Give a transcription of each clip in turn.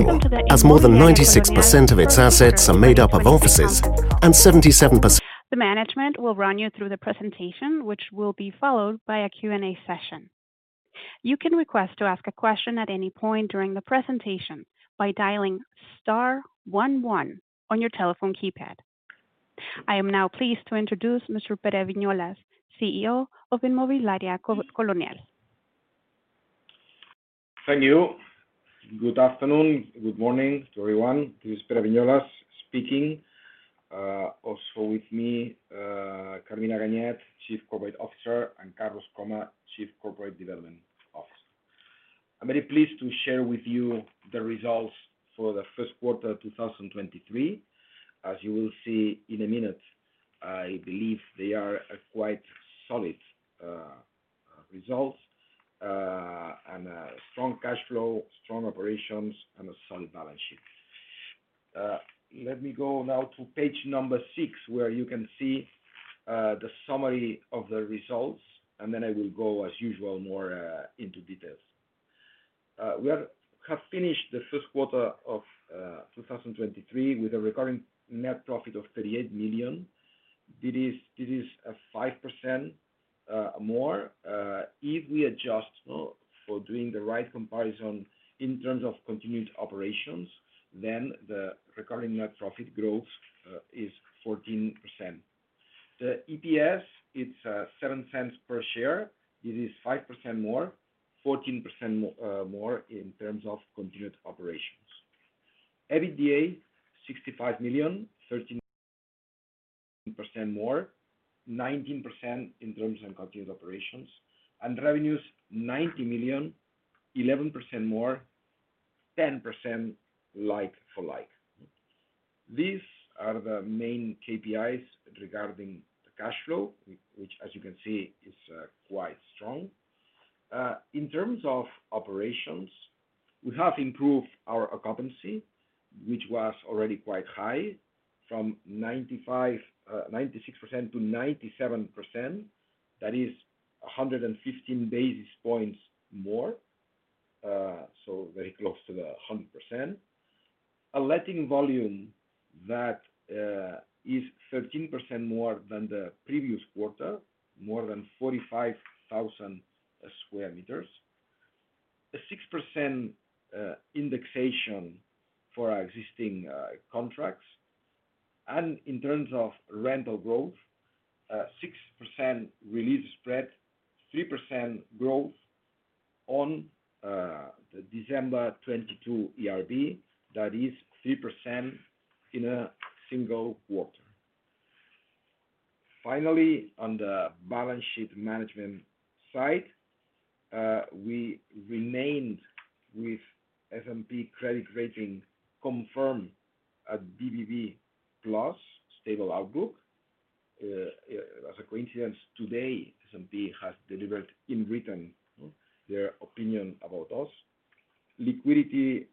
Welcome to the Inmobiliaria Colonial first quarter 2023 earnings call. The management will run you through the presentation, which will be followed by a Q&A session. You can request to ask a question at any point during the presentation by dialing star one one on your telephone keypad. I am now pleased to introduce Mr. Pere Viñolas, CEO of Inmobiliaria Colonial. Good afternoon. Good morning to everyone. This is Pere Viñolas speaking. Also with me, Carmina Ganyet, Chief Corporate Officer, and Carlos Krohmer, Chief Corporate Development Officer. I'm very pleased to share with you the results for the first quarter 2023. As you will see in a minute, I believe they are a quite solid results, and a strong cash flow, strong operations, and a solid balance sheet. Let me go now to page six, where you can see the summary of the results, and then I will go as usual more into details. We have finished the first quarter of 2023 with a recurring net profit of 38 million. It is 5% more. If we adjust for doing the right comparison in terms of continued operations, the recurring net profit growth is 14%. The EPS, it's 0.07 per share. It is 5% more. 14% more in terms of continued operations. EBITDA, 65 million, 13% more, 19% in terms of continued operations. Revenues, 90 million, 11% more, 10% like-for-like. These are the main KPIs regarding the cash flow, which as you can see is quite strong. In terms of operations, we have improved our occupancy, which was already quite high, from 96%-97%. That is 115 basis points more, very close to the 100%. A letting volume that is 13% more than the previous quarter, more than 45,000 square meters. A 6% indexation for our existing contracts. In terms of rental growth, 6% re-leasing spread, 3% growth on the December 2022 ERV. That is 3% in a single quarter. Finally, on the balance sheet management side, we remained with S&P credit rating confirmed at BBB+ stable outlook. As a coincidence, today S&P has delivered in written their opinion about us. Liquidity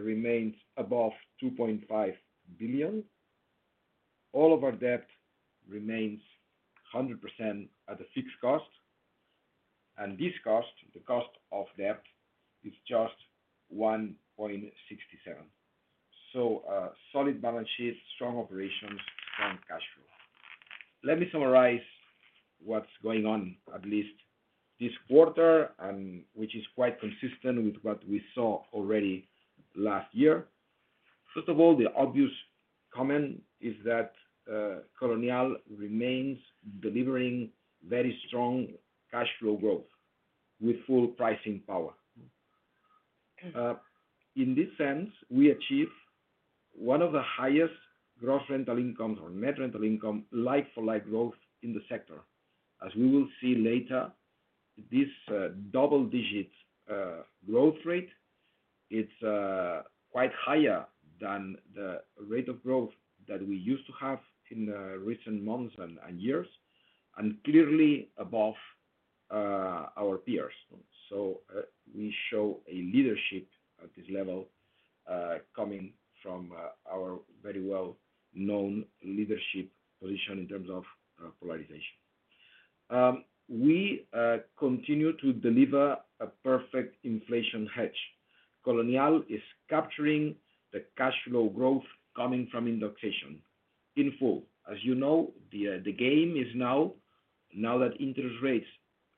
remains above 2.5 billion. All of our debt remains 100% at a fixed cost. This cost, the cost of debt, is just 1.67. A solid balance sheet, strong operations, strong cash flow. Let me summarize what's going on at least this quarter and which is quite consistent with what we saw already last year. First of all, the obvious comment is that Colonial remains delivering very strong cash flow growth with full pricing power. In this sense, we achieve one of the highest gross rental incomes or net rental income like-for-like growth in the sector. As we will see later, this double digits growth rate, it's quite higher than the rate of growth that we used to have in the recent months and years, and clearly above our peers. We show a leadership at this level, coming from our very well-known leadership position in terms of polarization. We continue to deliver a perfect inflation hedge. Colonial is capturing the cash flow growth coming from indexation in full. As you know, the game is now that interest rates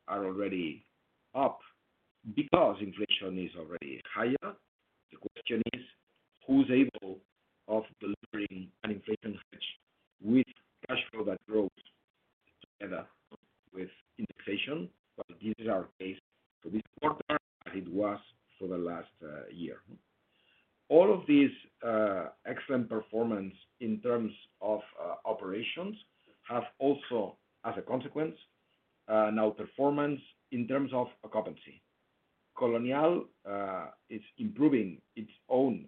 are already up because inflation is already higher. The question is who's able of delivering an inflation hedge with cash flow that grows together with indexation? This is our case for this quarter as it was for the last year. All of these excellent performance in terms of operations have also as a consequence, an out performance in terms of occupancy. Colonial is improving its own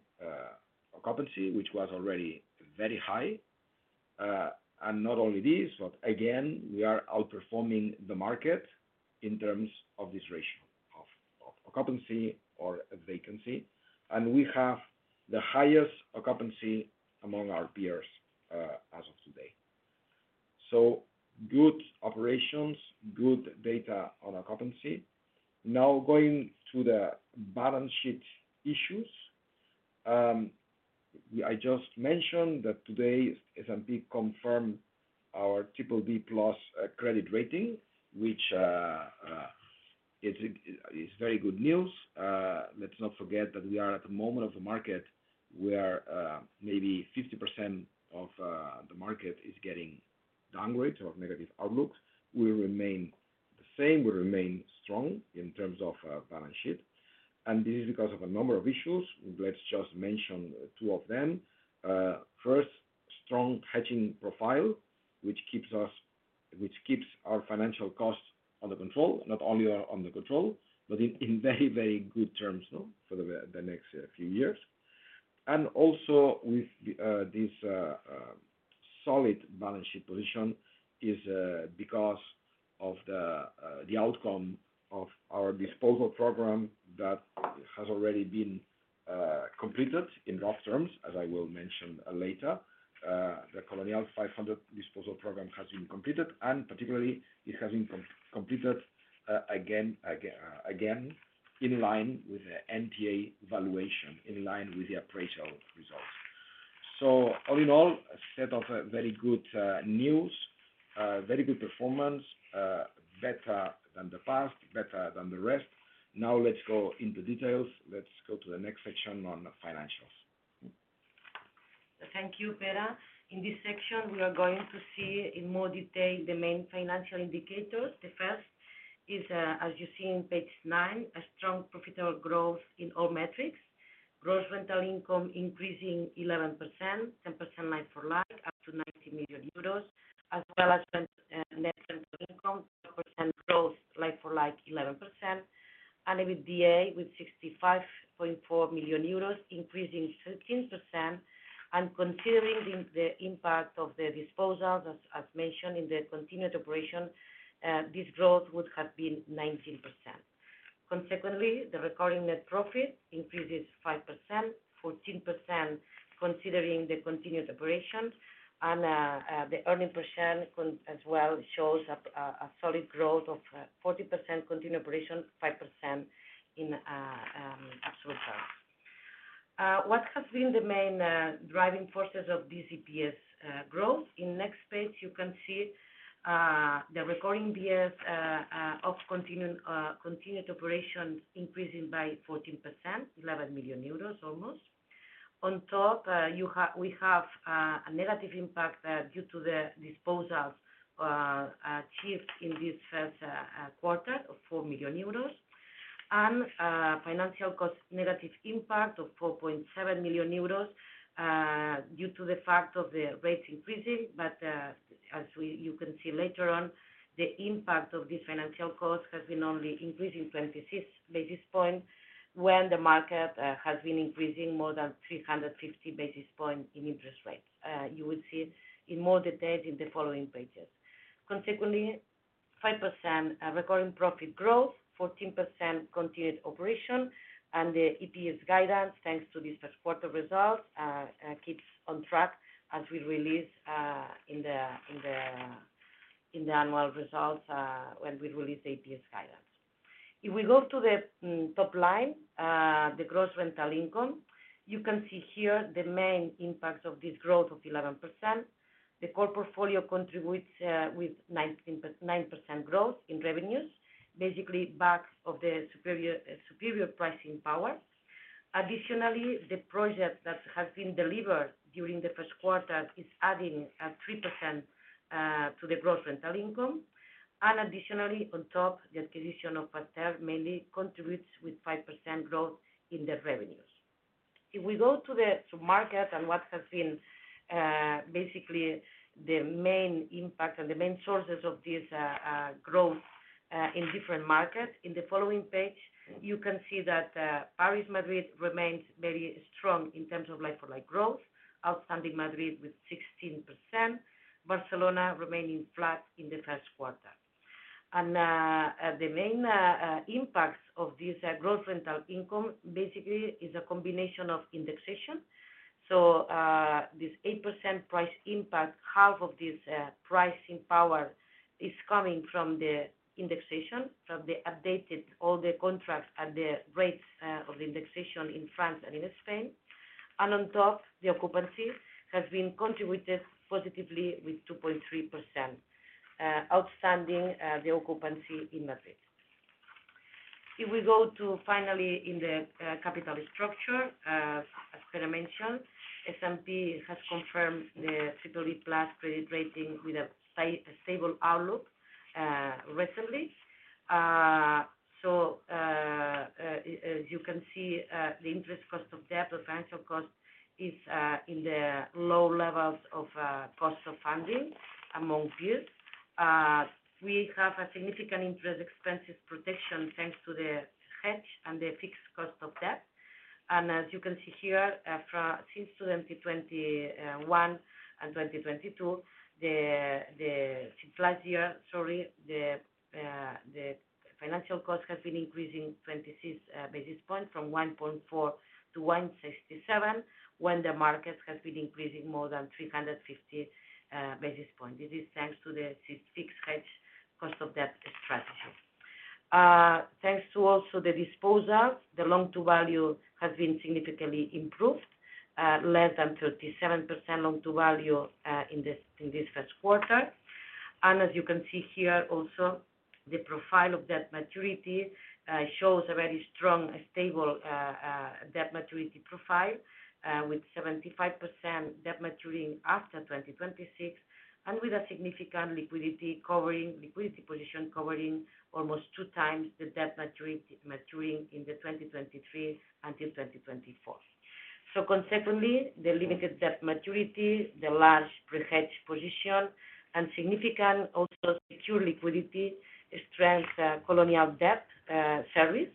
occupancy, which was already very high. And not only this, but again, we are outperforming the market in terms of this ratio of occupancy or vacancy. We have the highest occupancy among our peers as of today. Good operations, good data on occupancy. Now going to the balance sheet issues. I just mentioned that today S&P confirmed our BBB+ credit rating, which it is very good news. Let's not forget that we are at the moment of the market where maybe 50% of the market is getting downgraded or negative outlooks. We remain the same, we remain strong in terms of balance sheet, this is because of a number of issues. Let's just mention two of them. First, strong hedging profile, which keeps our financial costs under control. Not only under control, but in very good terms no, for the next few years. Also with this solid balance sheet position is because of the outcome of our disposal program that has already been completed in rough terms, as I will mention later. The Colonial 500 disposal program has been completed, and particularly it has been completed again in line with the NTA valuation, in line with the appraisal results. All in all, a set of very good news, very good performance, better than the past, better than the rest. Now let's go into details. Let's go to the next section on Financials. Thank you, Pere. In this section, we are going to see in more detail the main financial indicators. The first is, as you see in page nine, a strong profitable growth in all metrics. gross rental income increasing 11%, 10% like-for-like, up to 90 million, as well as rent, net rental income percent growth, like-for-like 11%. EBITDA with 65.4 million euros, increasing 13%. Considering the impact of the disposals, as mentioned in the continued operation, this growth would have been 19%. Consequently, the recording net profit increases 5%, 14% considering the continued operations. The earning percent as well shows a solid growth of 40% continued operation, 5% in absolute terms. What has been the main driving forces of this EPS growth? In next page, you can see the recording years of continued operations increasing by 14%, 11 million euros almost. On top, we have a negative impact due to the disposals achieved in this 1st quarter of 4 million euros. Financial cost negative impact of 4.7 million euros due to the fact of the rates increasing. As we, you can see later on, the impact of this financial cost has been only increasing 26 basis points when the market has been increasing more than 350 basis points in interest rates. You will see in more detail in the following pages. Consequently, 5% recording profit growth, 14% continued operation, and the EPS guidance, thanks to this 1st quarter results, keeps on track as we release in the annual results when we release EPS guidance. If we go to the top line, the gross rental income, you can see here the main impact of this growth of 11%. The core portfolio contributes with 9% growth in revenues, basically backs of the superior pricing power. Additionally, the project that has been delivered during the 1st quarter is adding 3% to the gross rental income. Additionally, on top, the acquisition of Pastell mainly contributes with 5% growth in the revenues. If we go to the market and what has been basically the main impact and the main sources of this growth in different markets. In the following page, you can see that Paris, Madrid remains very strong in terms of like-for-like growth. Outstanding Madrid with 16%. Barcelona remaining flat in the first quarter. The main impacts of this gross rental income basically is a combination of indexation. This 8% price impact, half of this pricing power is coming from the indexation, from the updated all the contracts at the rates of indexation in France and in Spain. On top, the occupancy has been contributed positively with 2.3%, outstanding the occupancy in Madrid. If we go to finally in the capital structure, as Pedro mentioned, S&P has confirmed the BBB+ credit rating with a stable outlook recently. As you can see, the interest cost of debt, the financial cost is in the low levels of cost of funding among peers. We have a significant interest expenses protection thanks to the hedge and the fixed cost of debt. As you can see here, since 2021 and 2022, the last year, sorry, the financial cost has been increasing 26 basis points from 1.4% to 1.67%, when the markets has been increasing more than 350 basis points. This is thanks to the fixed hedge cost of debt strategy. Thanks to also the disposal, the loan-to-value has been significantly improved, less than 37% loan-to-value, in this first quarter. As you can see here also, the profile of debt maturity, shows a very strong and stable debt maturity profile, with 75% debt maturing after 2026 and with a significant liquidity position covering almost two times the debt maturing in 2023 until 2024. Consequently, the limited debt maturity, the large pre-hedge position and significant also secure liquidity strength, Colonial debt service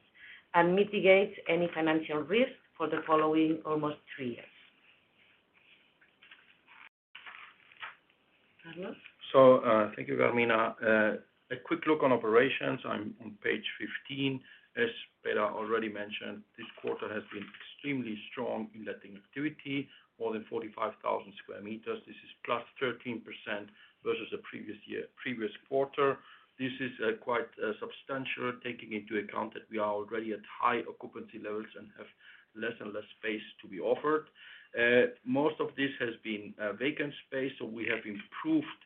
and mitigates any financial risk for the following almost three years. Carlos. Thank you, Carmina. A quick look on operations. I'm on page 15. As Pere already mentioned, this quarter has been extremely strong in letting activity, more than 45,000 square meters. This is +13% versus the previous year, previous quarter. This is quite substantial taking into account that we are already at high occupancy levels and have less and less space to be offered. Most of this has been vacant space, so we have improved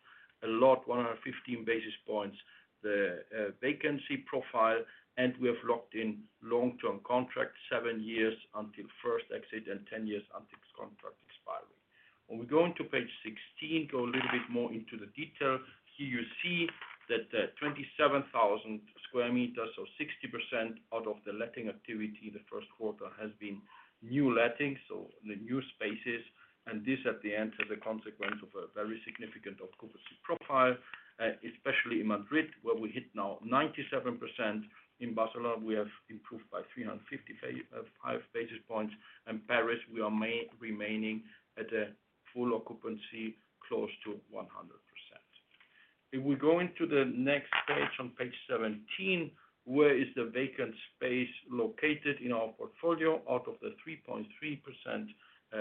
a lot, 115 basis points the vacancy profile, and we have locked in long-term contracts, seven years until first exit and 10 years until contract expiry. When we go into page 16, go a little bit more into the detail. Here you see that 27,000 square meters or 60% out of the letting activity in the first quarter has been new lettings, so the new spaces. This at the end is a consequence of a very significant occupancy profile, especially in Madrid, where we hit now 97%. In Barcelona, we have improved by 355 basis points. Paris, we are remaining at a full occupancy close to 100%. If we go into the next page, on page 17, where is the vacant space located in our portfolio? Out of the 3.3%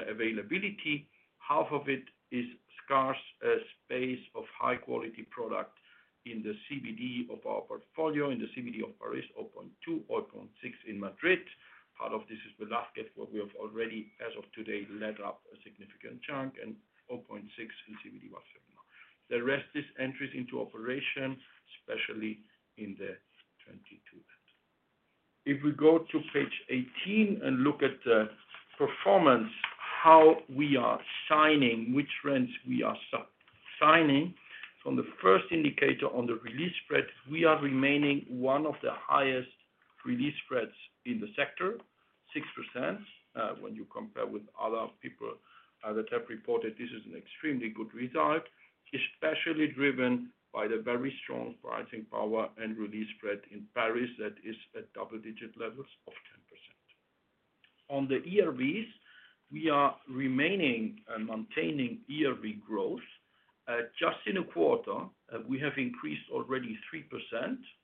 availability, half of it is scarce space of high quality product in the CBD of our portfolio, in the CBD of Paris, 0.2%, 0.6% in Madrid. Part of this is Velázquez, where we have already, as of today, let up a significant chunk and 0.6 in CBD Barcelona. The rest is entries into operation, especially in 2020. If we go to page 18 and look at the performance, how we are signing, which rents we are signing. From the first indicator on the re-lease spread, we are remaining one of the highest re-lease spreads in the sector, 6%. When you compare with other people that have reported, this is an extremely good result, especially driven by the very strong pricing power and re-lease spread in Paris that is at double-digit levels of 10%. On the ERVs, we are remaining and maintaining ERV growth. Just in a quarter, we have increased already 3%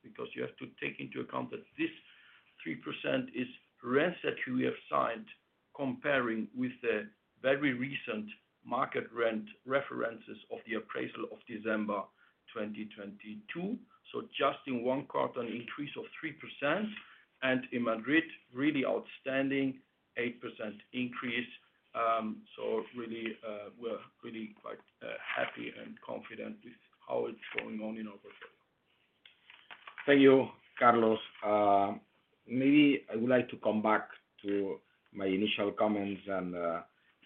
because you have to take into account that this 3% is rents that we have signed comparing with the very recent market rent references of the appraisal of December 2022. Just in one quarter, an increase of 3%. In Madrid, really outstanding 8% increase. Really, we're really quite happy and confident with how it's going on in our portfolio. Thank you, Carlos. Maybe I would like to come back to my initial comments and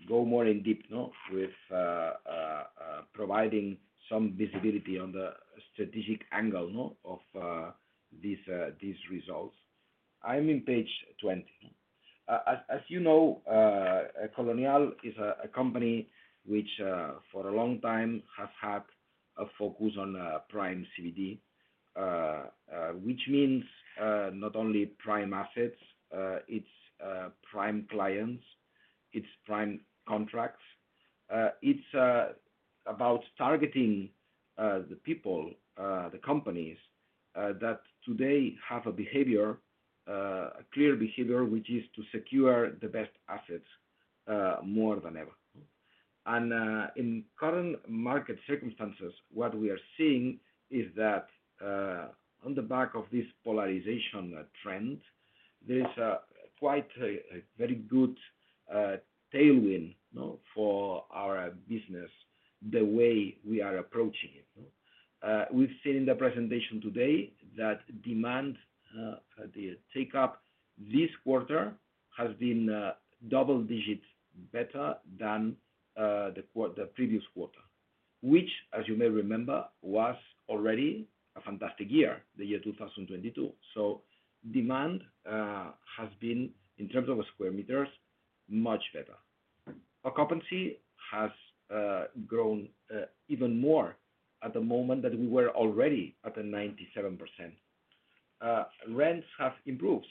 go more in deep with providing some visibility on the strategic angle of these results. I'm in page 20. As you know, Colonial is a company which for a long time has had a focus on prime CBD which means not only prime assets, it's prime clients, it's prime contracts. It's about targeting the people, the companies that today have a behavior, a clear behavior, which is to secure the best assets more than ever. In current market circumstances, what we are seeing is that on the back of this polarization trend, there is quite a very good tailwind for our business the way we are approaching it. We've seen in the presentation today that demand, the take up this quarter has been double digits better than the previous quarter. Which, as you may remember, was already a fantastic year, the year 2022. Demand has been, in terms of square meters, much better. Occupancy has grown even more at the moment that we were already at a 97%. Rents have improved.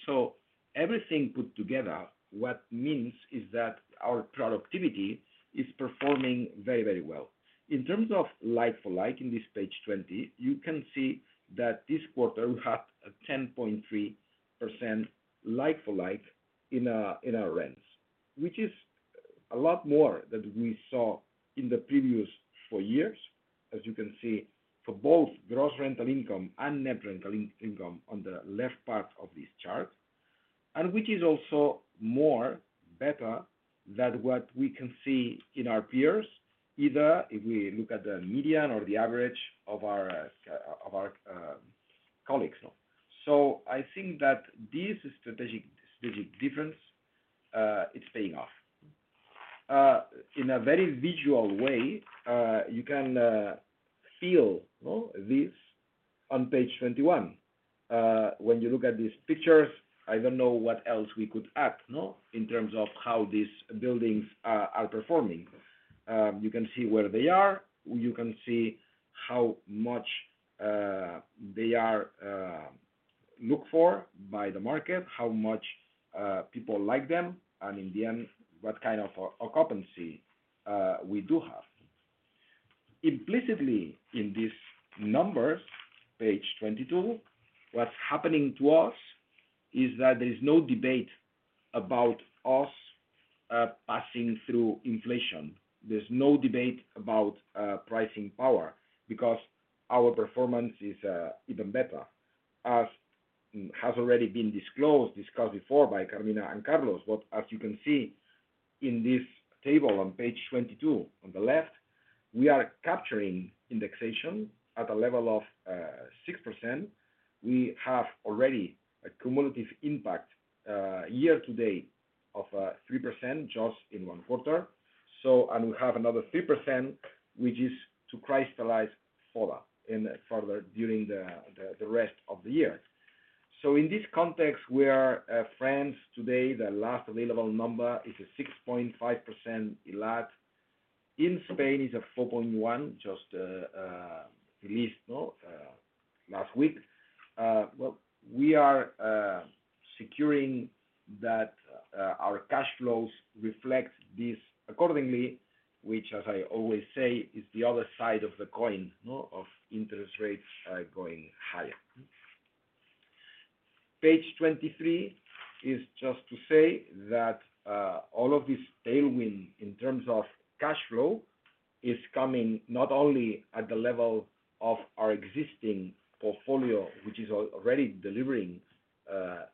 Everything put together, what means is that our productivity is performing very, very well. In terms of like-for-like in this page 20, you can see that this quarter we had a 10.3% like-for-like in our rents, which is a lot more that we saw in the previous four years, as you can see for both gross rental income and net rental income on the left part of this chart. Which is also more better than what we can see in our peers, either if we look at the median or the average of our of our colleagues. I think that this strategic difference is paying off. In a very visual way, you can feel, no, this on page 21. When you look at these pictures, I don't know what else we could add, no, in terms of how these buildings are performing. You can see where they are, you can see how much they are looked for by the market, how much people like them, in the end, what kind of occupancy we do have. Implicitly in these numbers, page 22, what's happening to us is that there's no debate about us passing through inflation. There's no debate about pricing power because our performance is even better. As has already been disclosed, discussed before by Carmina and Carlos. As you can see in this table on page 22 on the left, we are capturing indexation at a level of 6%. We have already a cumulative impact year to date of 3% just in one quarter. We have another 3%, which is to crystallize further in further during the rest of the year. In this context, we are friends today, the last available number is a 6.5% ELAT. In Spain is a 4.1%, just released last week. Well, we are securing that our cash flows reflect this accordingly, which as I always say, is the other side of the coin of interest rates going higher. Page 23 is just to say that all of this tailwind in terms of cash flow is coming not only at the level of our existing portfolio, which is already delivering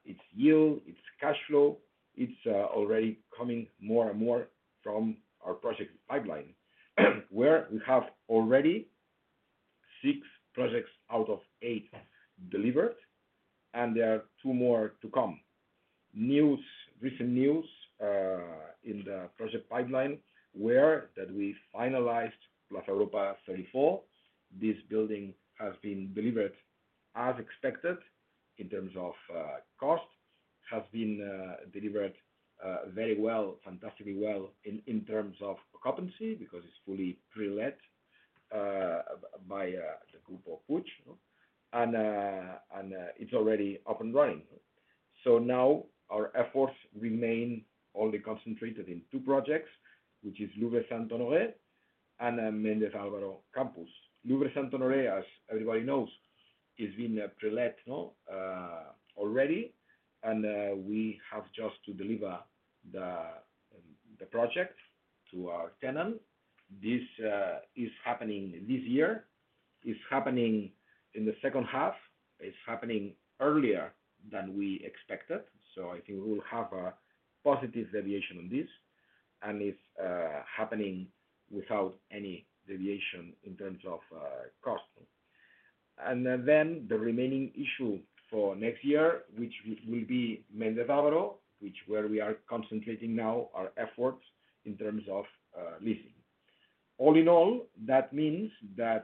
its yield, its cash flow. It's already coming more and more from our project pipeline where we have already six projects out of eight delivered, and there are two more to come. Recent news in the project pipeline where that we finalized Plaza Europa 34. This building has been delivered as expected in terms of cost. Has been delivered very well, fantastically well in terms of occupancy because it's fully pre-let by the group of Puig. It's already up and running. Now our efforts remain only concentrated in two projects, which is Louvre Saint-Honoré and Méndez Álvaro Campus. Louvre Saint-Honoré, as everybody knows, is being pre-let, no, already. We have just to deliver the project to our tenant. This is happening this year. It's happening in the second half. It's happening earlier than we expected. I think we'll have a positive deviation on this. It's happening without any deviation in terms of cost. The remaining issue for next year, which will be Méndez Álvaro, which where we are concentrating now our efforts in terms of leasing. All in all, that means that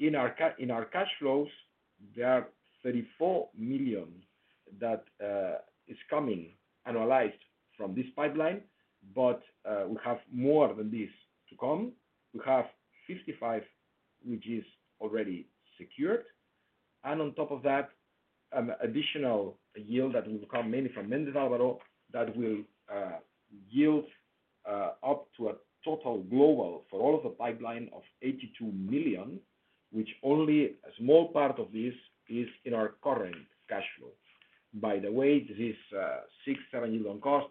in our cash flows, there are 34 million that is coming analyzed from this pipeline. We have more than this to come. We have 55 million, which is already secured. On top of that, an additional yield that will come mainly from Méndez Álvaro that will yield up to a total global for all of the pipeline of 82 million, which only a small part of this is in our current cash flow. By the way, this 6.7% yield on cost,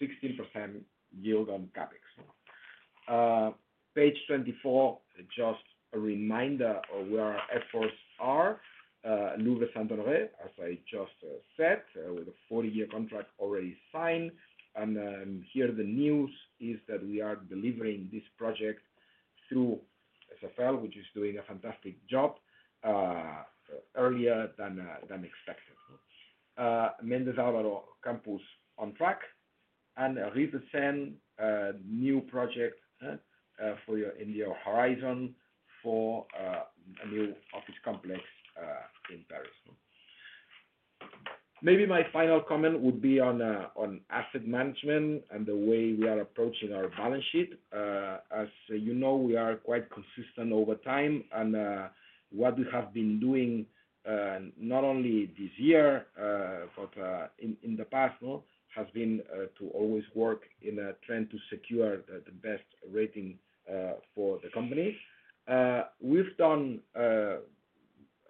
16% yield on CapEx. Page 24, just a reminder of where our efforts are. Louvre Saint-Honoré, as I just said, with a 40-year contract already signed. Here the news is that we are delivering this project through SFL, which is doing a fantastic job, earlier than expected. Méndez Álvaro Campus on track, and Rives de Seine, a new project, for your in your horizon for a new office complex in Paris. Maybe my final comment would be on asset management and the way we are approaching our balance sheet. As you know, we are quite consistent over time. What we have been doing, not only this year, but in the past, has been to always work in a trend to secure the best rating for the company. We've done a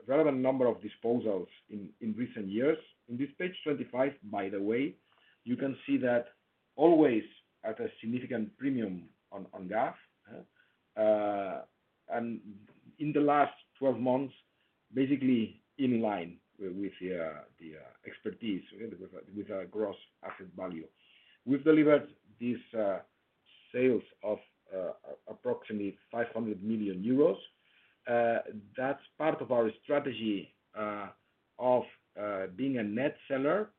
relevant number of disposals in recent years. In this page 25, by the way, you can see that always at a significant premium on GAAP. In the last 12 months, basically in line with the expertise with the Gross Asset Value. We've delivered these, sales of, approximately 500 million euros. That's part of our strategy, of, being a net seller.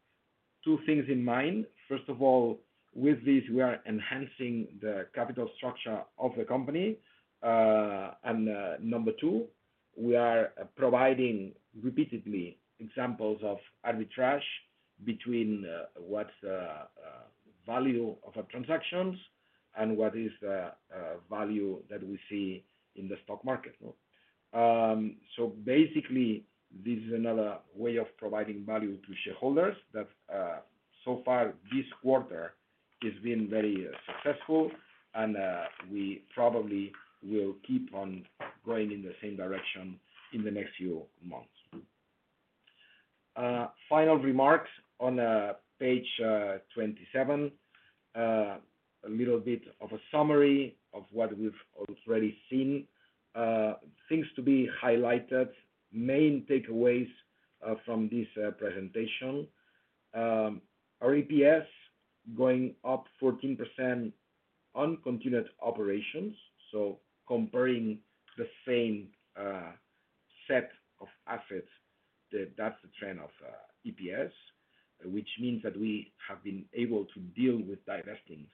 Two things in mind. First of all, with this, we are enhancing the capital structure of the company. Number two, we are providing repeatedly examples of arbitrage between, what's the, value of our transactions and what is the, value that we see in the stock market. Basically, this is another way of providing value to shareholders that, so far this quarter has been very successful and, we probably will keep on going in the same direction in the next few months. Final remarks on page 27. A little bit of a summary of what we've already seen. Things to be highlighted. Main takeaways from this presentation. Our EPS going up 14% on continued operations, so comparing the same set of assets, that's the trend of EPS. Which means that we have been able to deal with divesting,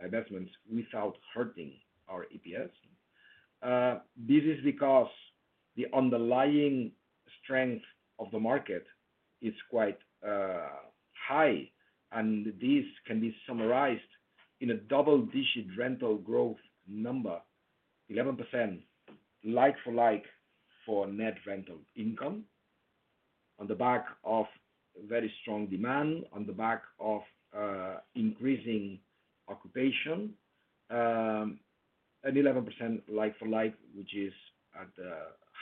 divests without hurting our EPS. This is because the underlying strength of the market is quite high, and this can be summarized in a double-digit rental growth number. 11% like-for-like for net rental income on the back of very strong demand, on the back of increasing occupation. An 11% like-for-like, which is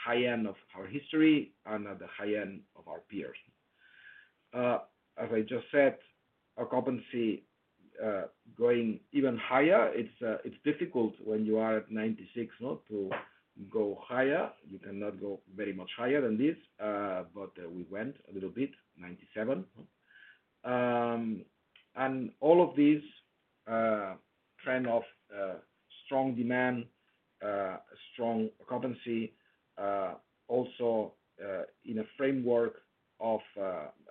at the high end of our history and at the high end of our peers. As I just said, occupancy going even higher. It's difficult when you are at 96, no? To go higher. You cannot go very much higher than this. We went a little bit, 97. All of these trend of strong demand, strong occupancy, also in a framework of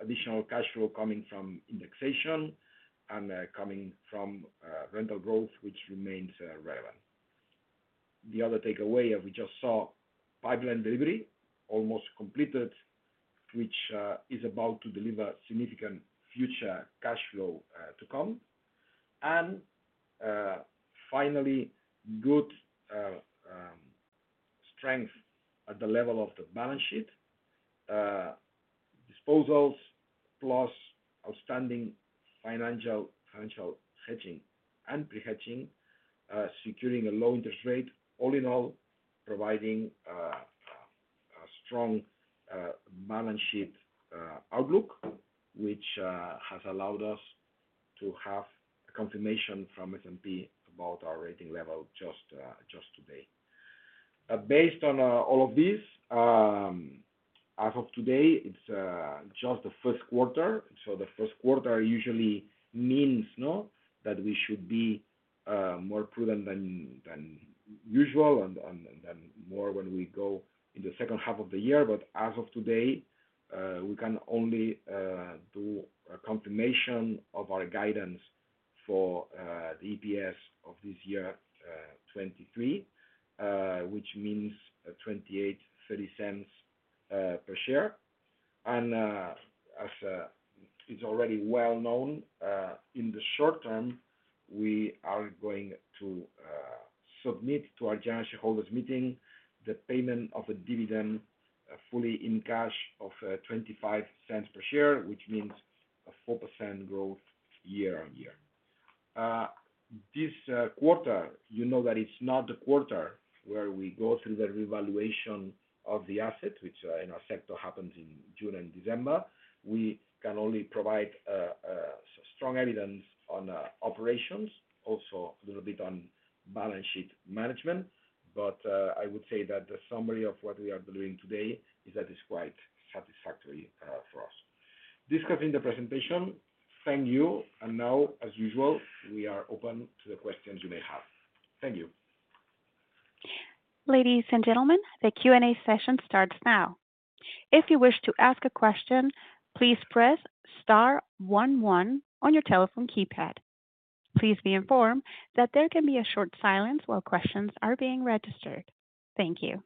additional cash flow coming from indexation and coming from rental growth, which remains relevant. The other takeaway, as we just saw, pipeline delivery almost completed, which is about to deliver significant future cash flow to come. Finally, good strength at the level of the balance sheet. Disposals plus outstanding financial hedging and pre-hedging, securing a low interest rate. All in all, providing a strong balance sheet outlook, which has allowed us to have a confirmation from S&P about our rating level just today. Based on all of this, as of today, it's just the first quarter. The first quarter usually means that we should be more prudent than usual and more when we go in the second half of the year. As of today, we can only do a confirmation of our guidance for the EPS of this year, 2023. Which means 0.28-0.30 per share. As is already well known, in the short term, we are going to submit to our general shareholders meeting the payment of a dividend fully in cash of 0.25 per share, which means a 4% growth year-on-year. This quarter, you know that it's not the quarter where we go through the revaluation of the assets, which in our sector happens in June and December. We can only provide strong evidence on operations, also a little bit on balance sheet management. I would say that the summary of what we are delivering today is that it's quite satisfactory for us. Discussing the presentation. Thank you. Now, as usual, we are open to the questions you may have. Thank you. Ladies and gentlemen, the Q&A session starts now. If you wish to ask a question, please press star one one on your telephone keypad. Please be informed that there can be a short silence while questions are being registered. Thank you.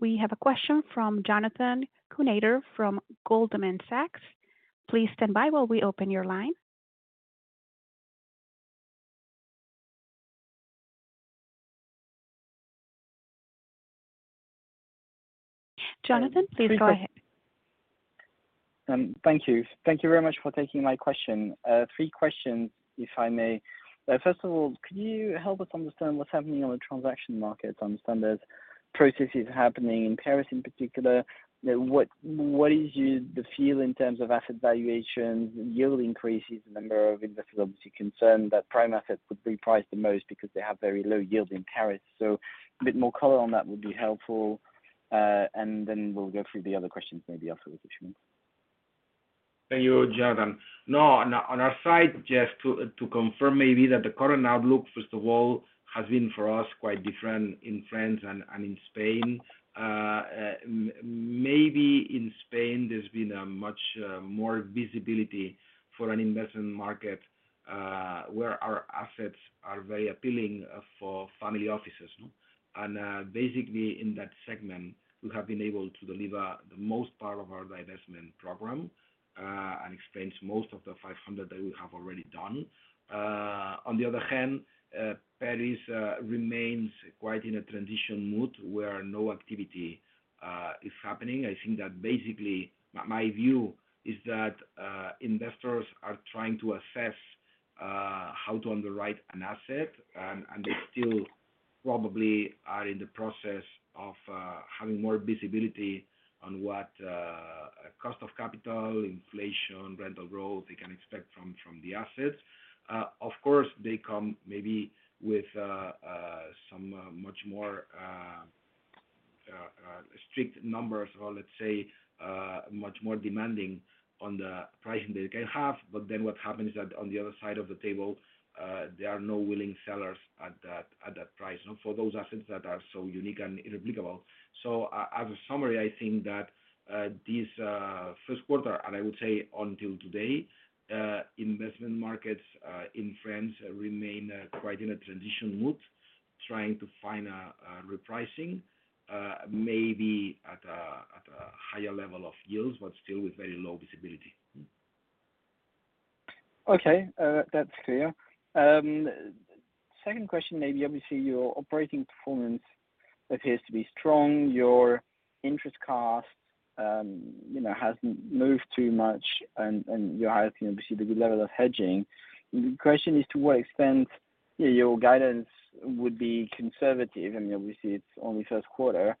We have a question from Jonathan Kownator from Goldman Sachs. Please stand by while we open your line. Jonathan, please go ahead. Thank you. Thank you very much for taking my question. Three questions, if I may. First of all, could you help us understand what's happening on the transaction market? I understand there's processes happening in Paris in particular. You know, what is the feel in terms of asset valuations and yield increases? The number of investors obviously concerned that prime assets would reprice the most because they have very low yield in Paris. A bit more color on that would be helpful. Then we'll go through the other questions maybe afterwards. Thank you, Jonathan. No, on our side, just to confirm maybe that the current outlook, first of all, has been for us quite different in France and in Spain. maybe in Spain, there's been a much more visibility for an investment market, where our assets are very appealing for family offices, no? Basically in that segment, we have been able to deliver the most part of our divestment program and expense most of the 500 that we have already done. On the other hand, Paris remains quite in a transition mode where no activity is happening. I think that basically my view is that investors are trying to assess how to underwrite an asset, and they still probably are in the process of having more visibility on what cost of capital, inflation, rental growth they can expect from the assets. Of course, they come maybe with some much more strict numbers, or let's say, much more demanding on the pricing that they can have. What happens is that on the other side of the table, there are no willing sellers at that price, no. For those assets that are so unique and irreplicable. As a summary, I think that, this, first quarter, and I would say until today, investment markets, in France remain, quite in a transition mode, trying to find a repricing, maybe at a, at a higher level of yields, but still with very low visibility. Okay. That's clear. Second question maybe. Obviously, your operating performance appears to be strong. Your interest cost, you know, hasn't moved too much and you're high, you know, obviously the good level of hedging. The question is to what extent, you know, your guidance would be conservative. I mean, obviously it's only first quarter.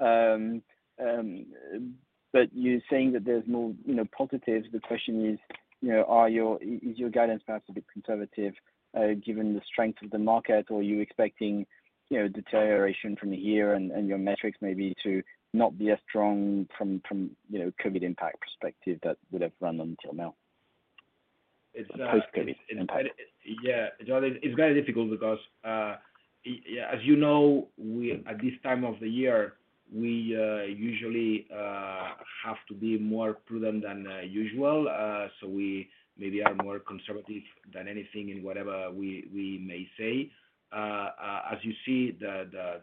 You're saying that there's more, you know, positives. The question is, you know, is your guidance perhaps a bit conservative, given the strength of the market? Or are you expecting, you know, deterioration from here and your metrics maybe to not be as strong from, you know, COVID impact perspective that would've run until now? It's. Post-COVID impact. Yeah. It's very difficult because, yeah, as you know, at this time of the year, we usually have to be more prudent than usual. We maybe are more conservative than anything in whatever we may say. As you see, the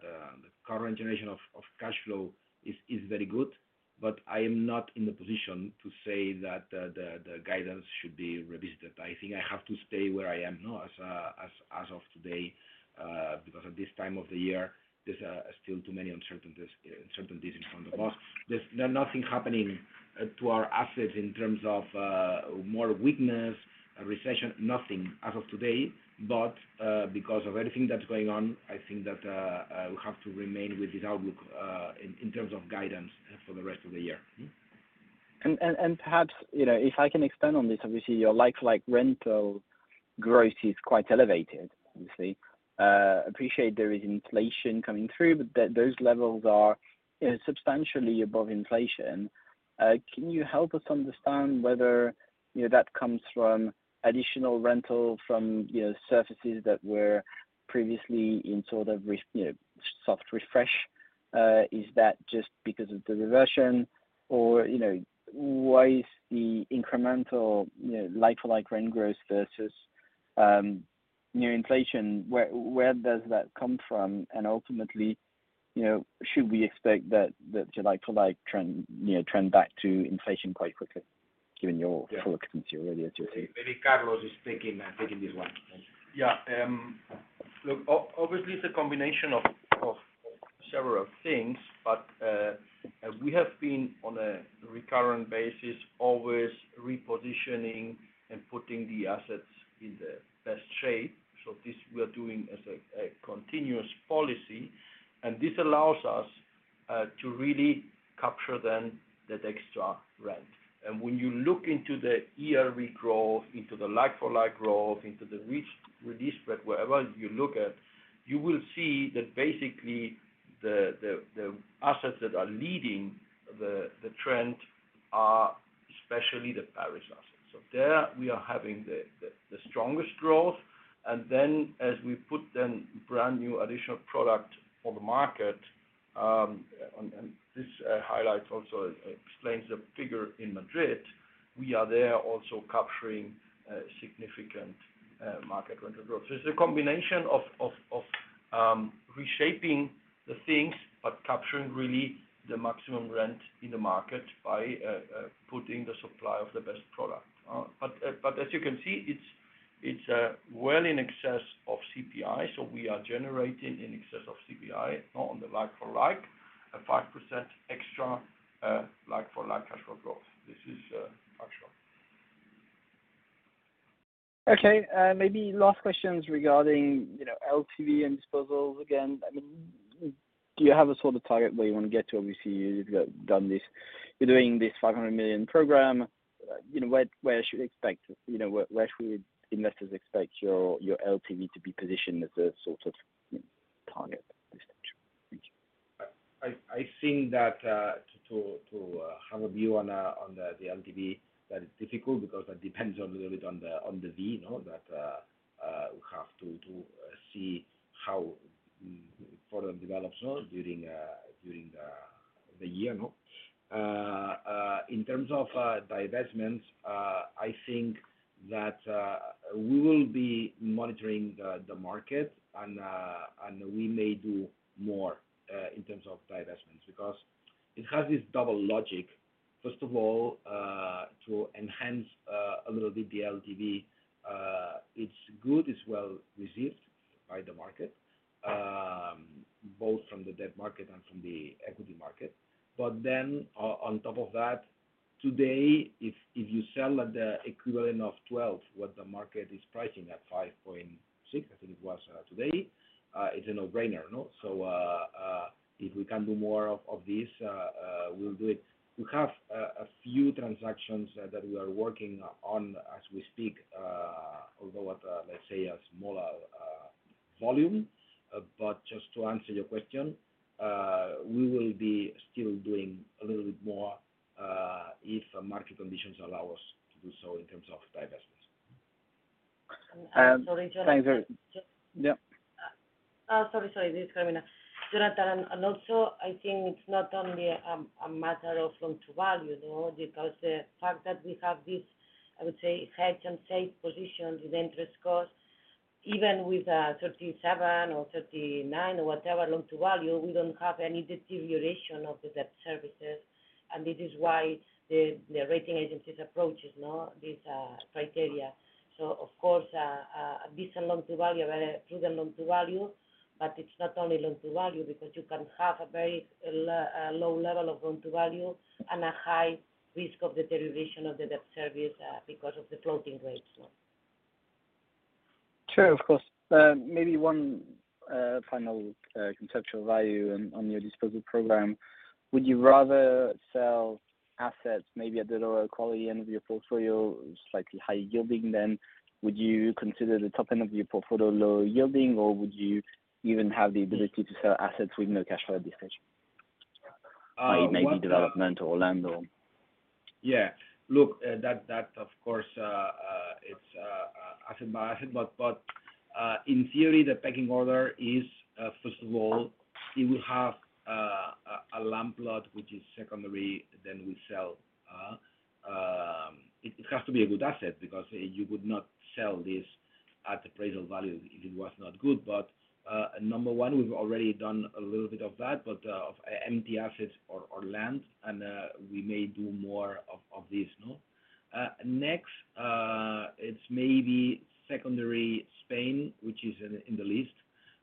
current generation of cash flow is very good. I am not in the position to say that the guidance should be revisited. I think I have to stay where I am, no, as of today, because at this time of the year, there's still too many uncertainties in front of us. There's nothing happening to our assets in terms of more weakness, a recession, nothing as of today. Because of everything that's going on, I think that, we have to remain with this outlook, in terms of guidance for the rest of the year. Perhaps, you know, if I can expand on this, obviously your like-for-like rental growth is quite elevated, obviously. Appreciate there is inflation coming through, those levels are, you know, substantially above inflation. Can you help us understand whether, you know, that comes from additional rental from, you know, surfaces that were previously in sort of soft refresh? Is that just because of the reversion or, you know, why is the incremental, you know, like-for-like rent growth versus, you know, inflation, where does that come from? Ultimately, you know, should we expect that like-for-like trend, you know, trend back to inflation quite quickly given your full occupancy already at your- Maybe Carlos is taking this one. Obviously it's a combination of several things, but we have been on a recurrent basis, always repositioning and putting the assets in the best shape. This we are doing as a continuous policy, and this allows us to really capture then that extra rent. When you look into the ERV growth, into the like-for-like growth, into the release spread, wherever you look at, you will see that basically the assets that are leading the trend are especially the Paris assets. There we are having the strongest growth. As we put then brand new additional product on the market, and this highlights also explains the figure in Madrid. We are there also capturing significant market rental growth. It's a combination of reshaping the things, but capturing really the maximum rent in the market by putting the supply of the best product. But as you can see, it's, it's well in excess of CPI. We are generating in excess of CPI on the like-for-like, a 5% extra, like-for-like cash flow growth. This is actual. Okay. Maybe last questions regarding, you know, LTV and disposals again. I mean, do you have a sort of target where you wanna get to? Obviously, you've done this. You're doing this 500 million program. You know, where should we expect, you know, where should investors expect your LTV to be positioned as a sort of target this future? I think that to have a view on the LTV, that is difficult because that depends on, really, on the V, you know, that we have to see how for the development during the year, no. In terms of divestments, I think that we will be monitoring the market and we may do more in terms of divestments because it has this double logic. First of all, to enhance a little bit the LTV, it's good, it's well received by the market, both from the debt market and from the equity market. On top of that, today, if you sell at the equivalent of 12 what the market is pricing at 5.6, I think it was, today, it's a no-brainer, no. If we can do more of this, we'll do it. We have a few transactions that we are working on as we speak, although at a, let's say, smaller volume. Just to answer your question, we will be still doing a little bit more if market conditions allow us to do so in terms of divestments. Um- Sorry, Jonathan. Thanks. Yeah. Sorry. This is Carmina. Jonathan, also I think it's not only a matter of loan-to-value, no. Because the fact that we have this, I would say, hedge and safe positions with interest costs, even with 37 or 39 or whatever loan-to-value, we don't have any deterioration of the debt services. It is why the rating agencies approach is not this criteria. Of course, a decent loan-to-value, through the loan-to-value, but it's not only loan-to-value because you can have a very low level of loan-to-value and a high risk of deterioration of the debt service because of the floating rates, no. Sure. Of course. Maybe one final conceptual value on your disposal program. Would you rather sell assets maybe at the lower quality end of your portfolio, slightly higher yielding then? Would you consider the top end of your portfolio lower yielding, or would you even have the ability to sell assets with no cash flow at this stage? Uh, one- It may be development or land or... Yeah. Look, that of course, it's asset by asset. In theory, the pecking order is first of all, you will have a land plot which is secondary, then we sell. It has to be a good asset because you would not sell this at appraisal value if it was not good. Number one, we've already done a little bit of that, but of empty assets or land, and we may do more of this, no. Next, it's maybe secondary Spain, which is in the list.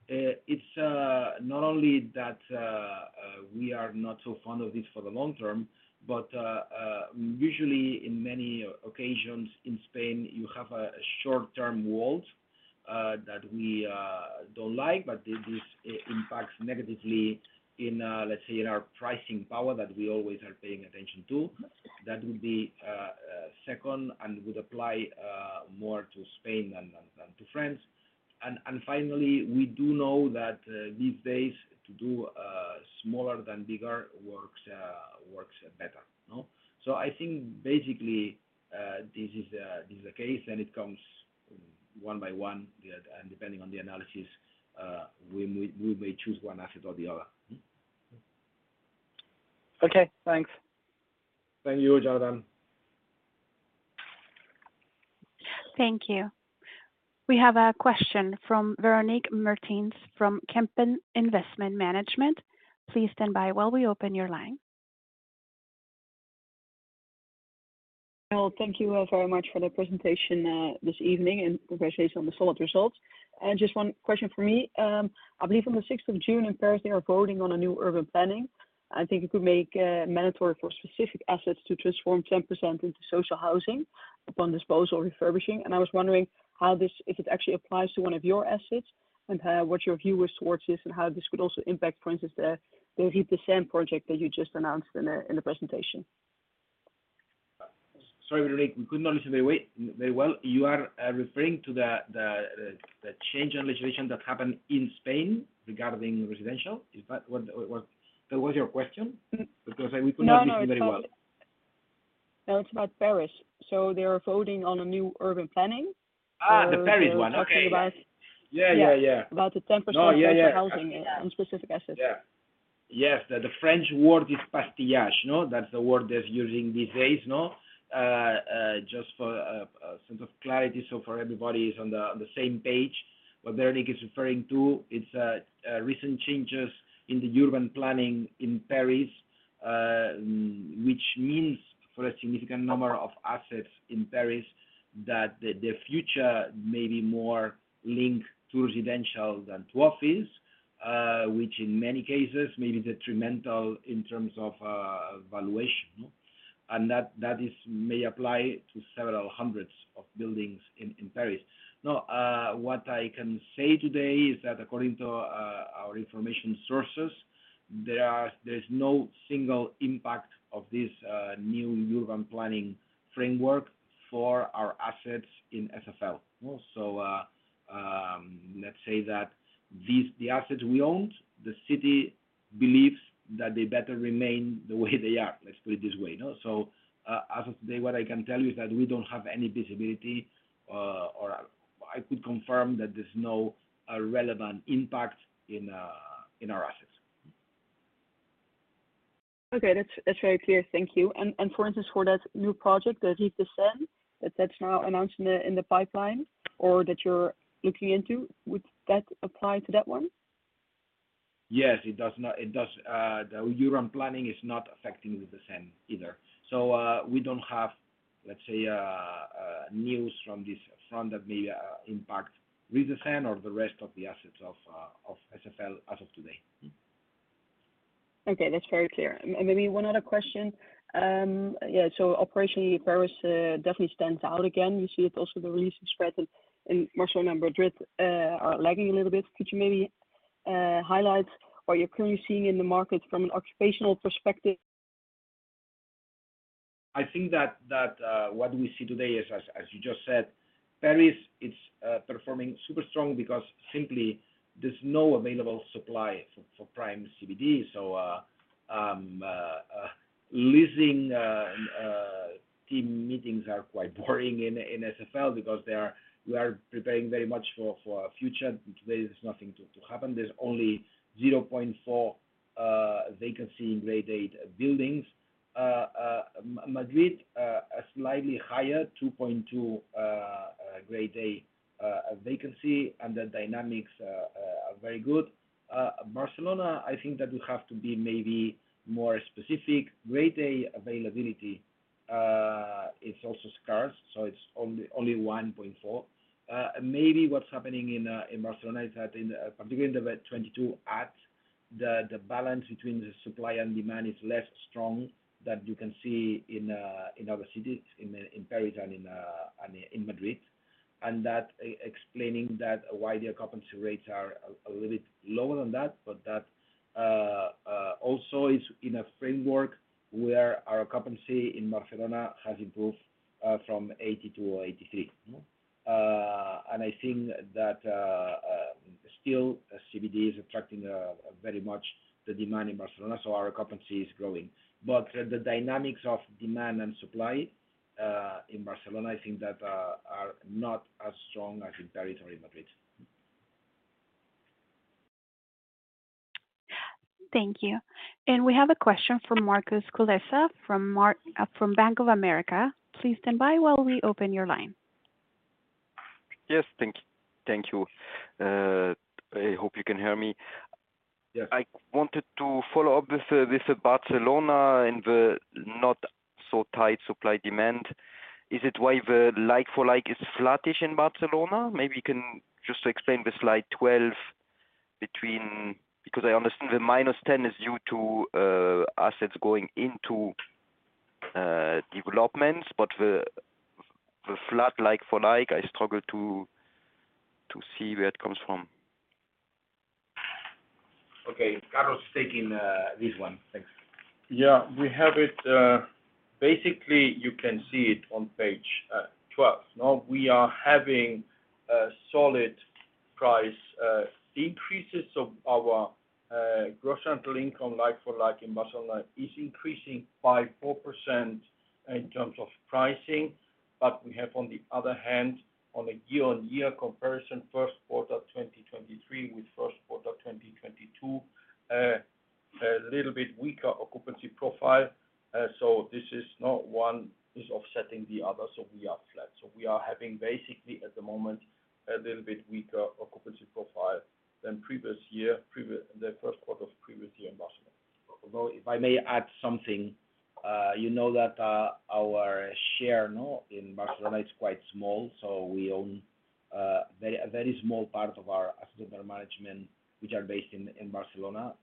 It's not only that we are not so fond of this for the long term, but usually in many occasions in Spain, you have a short term vault that we don't like, but this impacts negatively in let's say in our pricing power that we always are paying attention to. That would be second and would apply more to Spain than to France. Finally, we do know that these days to do smaller than bigger works, works better, no. I think basically, this is the case and it comes one by one, the, and depending on the analysis, we may choose one asset or the other. Okay, thanks. Thank you, Jonathan. Thank you. We have a question from Véronique Meertens from Van Lanschot Kempen. Please stand by while we open your line. Well, thank you very much for the presentation, this evening, and congratulations on the solid results. Just one question from me. I believe on the sixth of June in Paris, they are voting on a new urban planning. I think it could make mandatory for specific assets to transform 10% into social housing upon disposal refurbishing. I was wondering how this, if it actually applies to one of your assets and what your view is towards this and how this could also impact, for instance, the Rives de Seine project that you just announced in the presentation. Sorry, Véronique, we could not listen very well. You are referring to the change in legislation that happened in Spain regarding residential. Is that what? That was your question? Mm-hmm. We could not hear you very well. No, no. No, it's about Paris. They are voting on a new urban planning. The Paris one. Okay. Talking about- Yeah, yeah. About the 10%. No, yeah. Social housing on specific assets. Yeah. Yes. The French word is pastillage, no? That's the word they're using these days, no. Just for sense of clarity so for everybody is on the same page. What Véronique is referring to is recent changes in the urban planning in Paris, which means for a significant number of assets in Paris, that the future may be more linked to residential than to office, which in many cases may be detrimental in terms of valuation. That, that is may apply to several hundreds of buildings in Paris. What I can say today is that according to our information sources, there's no single impact of this new urban planning framework for our assets in SFL. Let's say that these, the assets we own, the city believes that they better remain the way they are. Let's put it this way. As of today, what I can tell you is that we don't have any visibility, or I could confirm that there's no relevant impact in our assets. Okay. That's very clear. Thank you. For instance, for that new project, that's now announced in the pipeline or that you're looking into, would that apply to that one? Yes, it does not. It does. The urban planning is not affecting the percent either. We don't have, let's say, news from that may impact Rives de Seine or the rest of the assets of SFL as of today. Okay, that's very clear. Maybe one other question. Operationally, Paris definitely stands out again. We see it also the recent spreads in Marshall and Madrid are lagging a little bit. Could you maybe highlight what you're currently seeing in the market from an occupational perspective? I think that what we see today is, as you just said, Paris is performing super strong because simply there's no available supply for prime CBD. Leasing team meetings are quite boring in SFL because we are preparing very much for future. Today, there's nothing to happen. There's only 0.4% vacancy in Grade-A buildings. Madrid a slightly higher 2.2% Grade-A vacancy, and the dynamics are very good. Barcelona, I think that we have to be maybe more specific. Grade-A availability is also scarce, so it's only 1.4%. Maybe what's happening in Barcelona is that in beginning of 2022 at the balance between the supply and demand is less strong that you can see in other cities, in Paris and in Madrid. That explaining that why the occupancy rates are a little bit lower than that. That also is in a framework where our occupancy in Barcelona has improved from 80% to 83%. I think that still CBD is attracting very much the demand in Barcelona, so our occupancy is growing. The dynamics of demand and supply in Barcelona, I think that are not as strong as in Paris or in Madrid. Thank you. We have a question from Markus Kulessa from Bank of America. Please stand by while we open your line. Yes. Thank you. I hope you can hear me. Yes. I wanted to follow up with Barcelona and the not so tight supply demand. Is it why the like-for-like is flattish in Barcelona? Maybe you can just explain the slide 12 between. I understand the -10 is due to assets going into developments. The flat like-for-like, I struggle to see where it comes from. Okay. Carlos taking this one. Thanks. Yeah, we have it. Basically, you can see it on page 12. Now we are having a solid price increases of our gross rental income like-for-like in Barcelona is increasing by 4% in terms of pricing. We have, on the other hand, on a year-over-year comparison, first quarter 2023 with first quarter 2022, a little bit weaker occupancy profile. This is not one is offsetting the other, so we are flat. We are having basically at the moment a little bit weaker occupancy profile than previous year, the first quarter of previous year in Barcelona. If I may add something. You know that, our share now in Barcelona is quite small, so we own a very small part of our asset under management, which are based in Barcelona.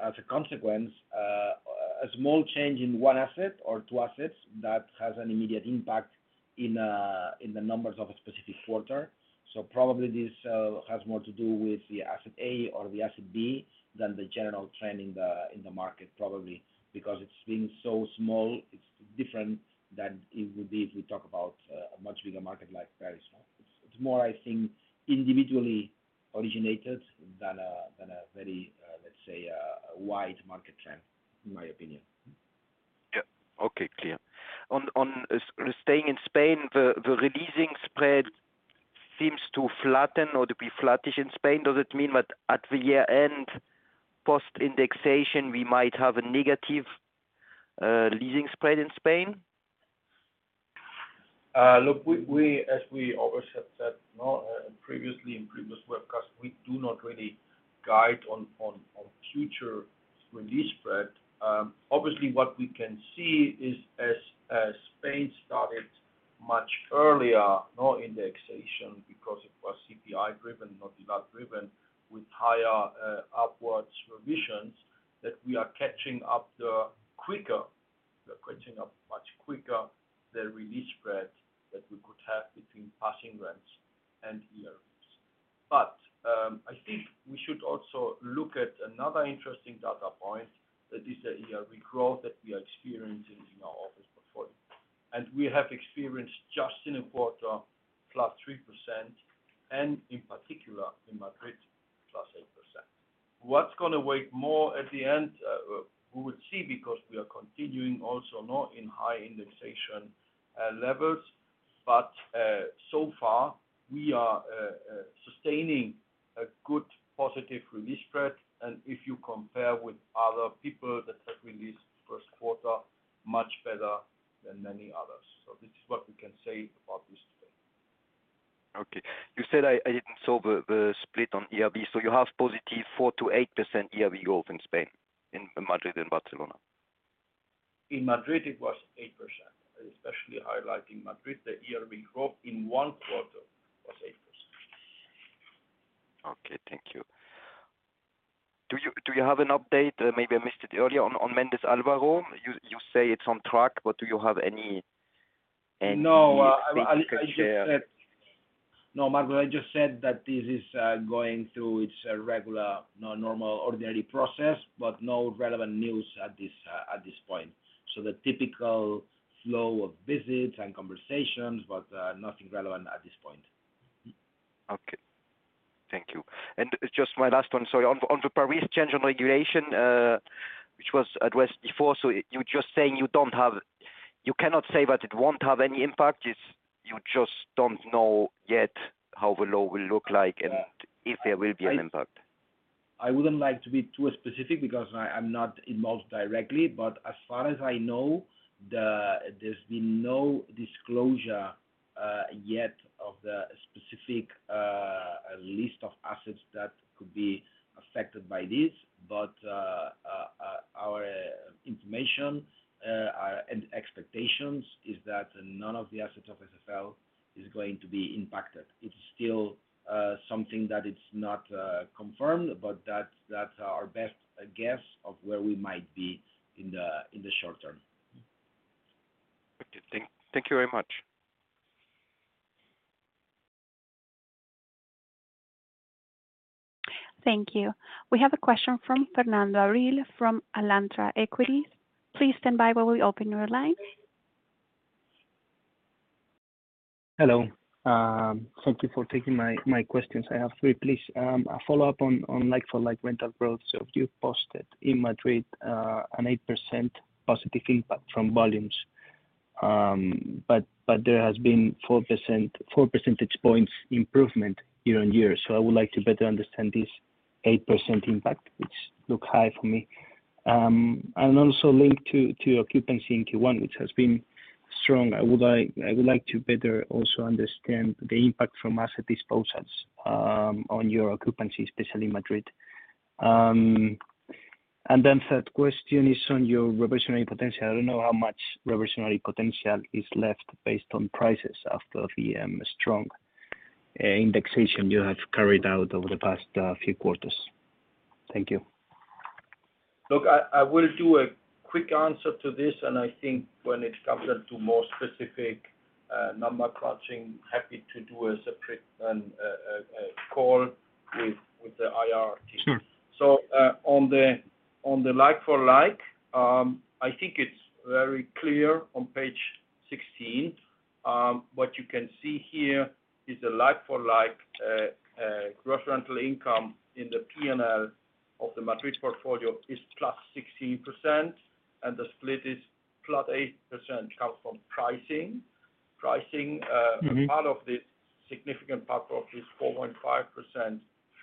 As a consequence, a small change in one asset or two assets that has an immediate impact in the numbers of a specific quarter. Probably this has more to do with the Asset A or the Asset B than the general trend in the market, probably because it's been so small, it's different than it would be if we talk about a much bigger market like Paris. It's more, I think, individually originated than a very, let's say, wide market trend in my opinion. Yeah. Okay. Clear. On staying in Spain, the releasing spread seems to flatten or to be flattish in Spain. Does it mean that at the year end, post indexation, we might have a negative leasing spread in Spain? Look, we as we always have said, you know, previously in previous webcasts, we do not really guide on future re-leasing spread. Obviously, what we can see is as Spain started much earlier, no indexation because it was CPI driven, not ILAT driven, with higher upwards revisions that we are catching up the quicker. We're catching up much quicker the re-leasing spread that we could have between passing rents and ERVs. I think we should also look at another interesting data point that is the ERV growth that we are experiencing in our office portfolio. We have experienced just in a quarter, +3%, in particular in Madrid, +8%. What's gonna weigh more at the end, we will see because we are continuing also not in high indexation levels, but so far we are sustaining a good positive release spread. If you compare with other people that have released first quarter, much better than many others. This is what we can say about this today. Okay. You said I didn't saw the split on ERV, so you have positive 4%-8% ERV growth in Spain, in Madrid and Barcelona. In Madrid, it was 8%. Especially highlighting Madrid, the ERV growth in one quarter was 8%. Okay. Thank you. Do you have an update, maybe I missed it earlier, on Méndez Álvaro? You say it's on track, do you have any specific share- No, Marco, I just said that this is going through its regular, normal ordinary process, but no relevant news at this at this point. The typical flow of visits and conversations, but nothing relevant at this point. Okay. Thank you. Just my last one, sorry. On the Paris change on regulation, which was addressed before. You're just saying you cannot say that it won't have any impact, it's you just don't know yet how the law will look like and if there will be an impact. I wouldn't like to be too specific because I'm not involved directly. As far as I know, there's been no disclosure yet of the specific list of assets that could be affected by this. Our information and expectations is that none of the assets of SFL is going to be impacted. It's still something that it's not confirmed, that's our best guess of where we might be in the, in the short term. Okay. Thank you very much. Thank you. We have a question from Fernando Abril-Martorell from Alantra Equities. Please stand by while we open your line. Hello. Thank you for taking my questions. I have three, please. A follow-up on like-for-like rental growth. You posted in Madrid an 8% positive impact from volumes. There has been 4%, 4 percentage points improvement year-over-year. I would like to better understand this 8% impact, which look high for me. Also linked to occupancy in Q1, which has been strong. I would like to better also understand the impact from asset disposals on your occupancy, especially in Madrid. Third question is on your reversionary potential. I don't know how much reversionary potential is left based on prices after the strong indexation you have carried out over the past few quarters. Thank you. Look, I will do a quick answer to this. I think when it comes down to more specific, number crunching, happy to do a separate, a call with the IR team. Sure. On the, on the like-for-like, I think it's very clear on page 16. What you can see here is a like-for-like gross rental income in the P&L of the Madrid portfolio is +16%, and the split is +8% comes from pricing. Mm-hmm. Part of the significant part of this 4.5%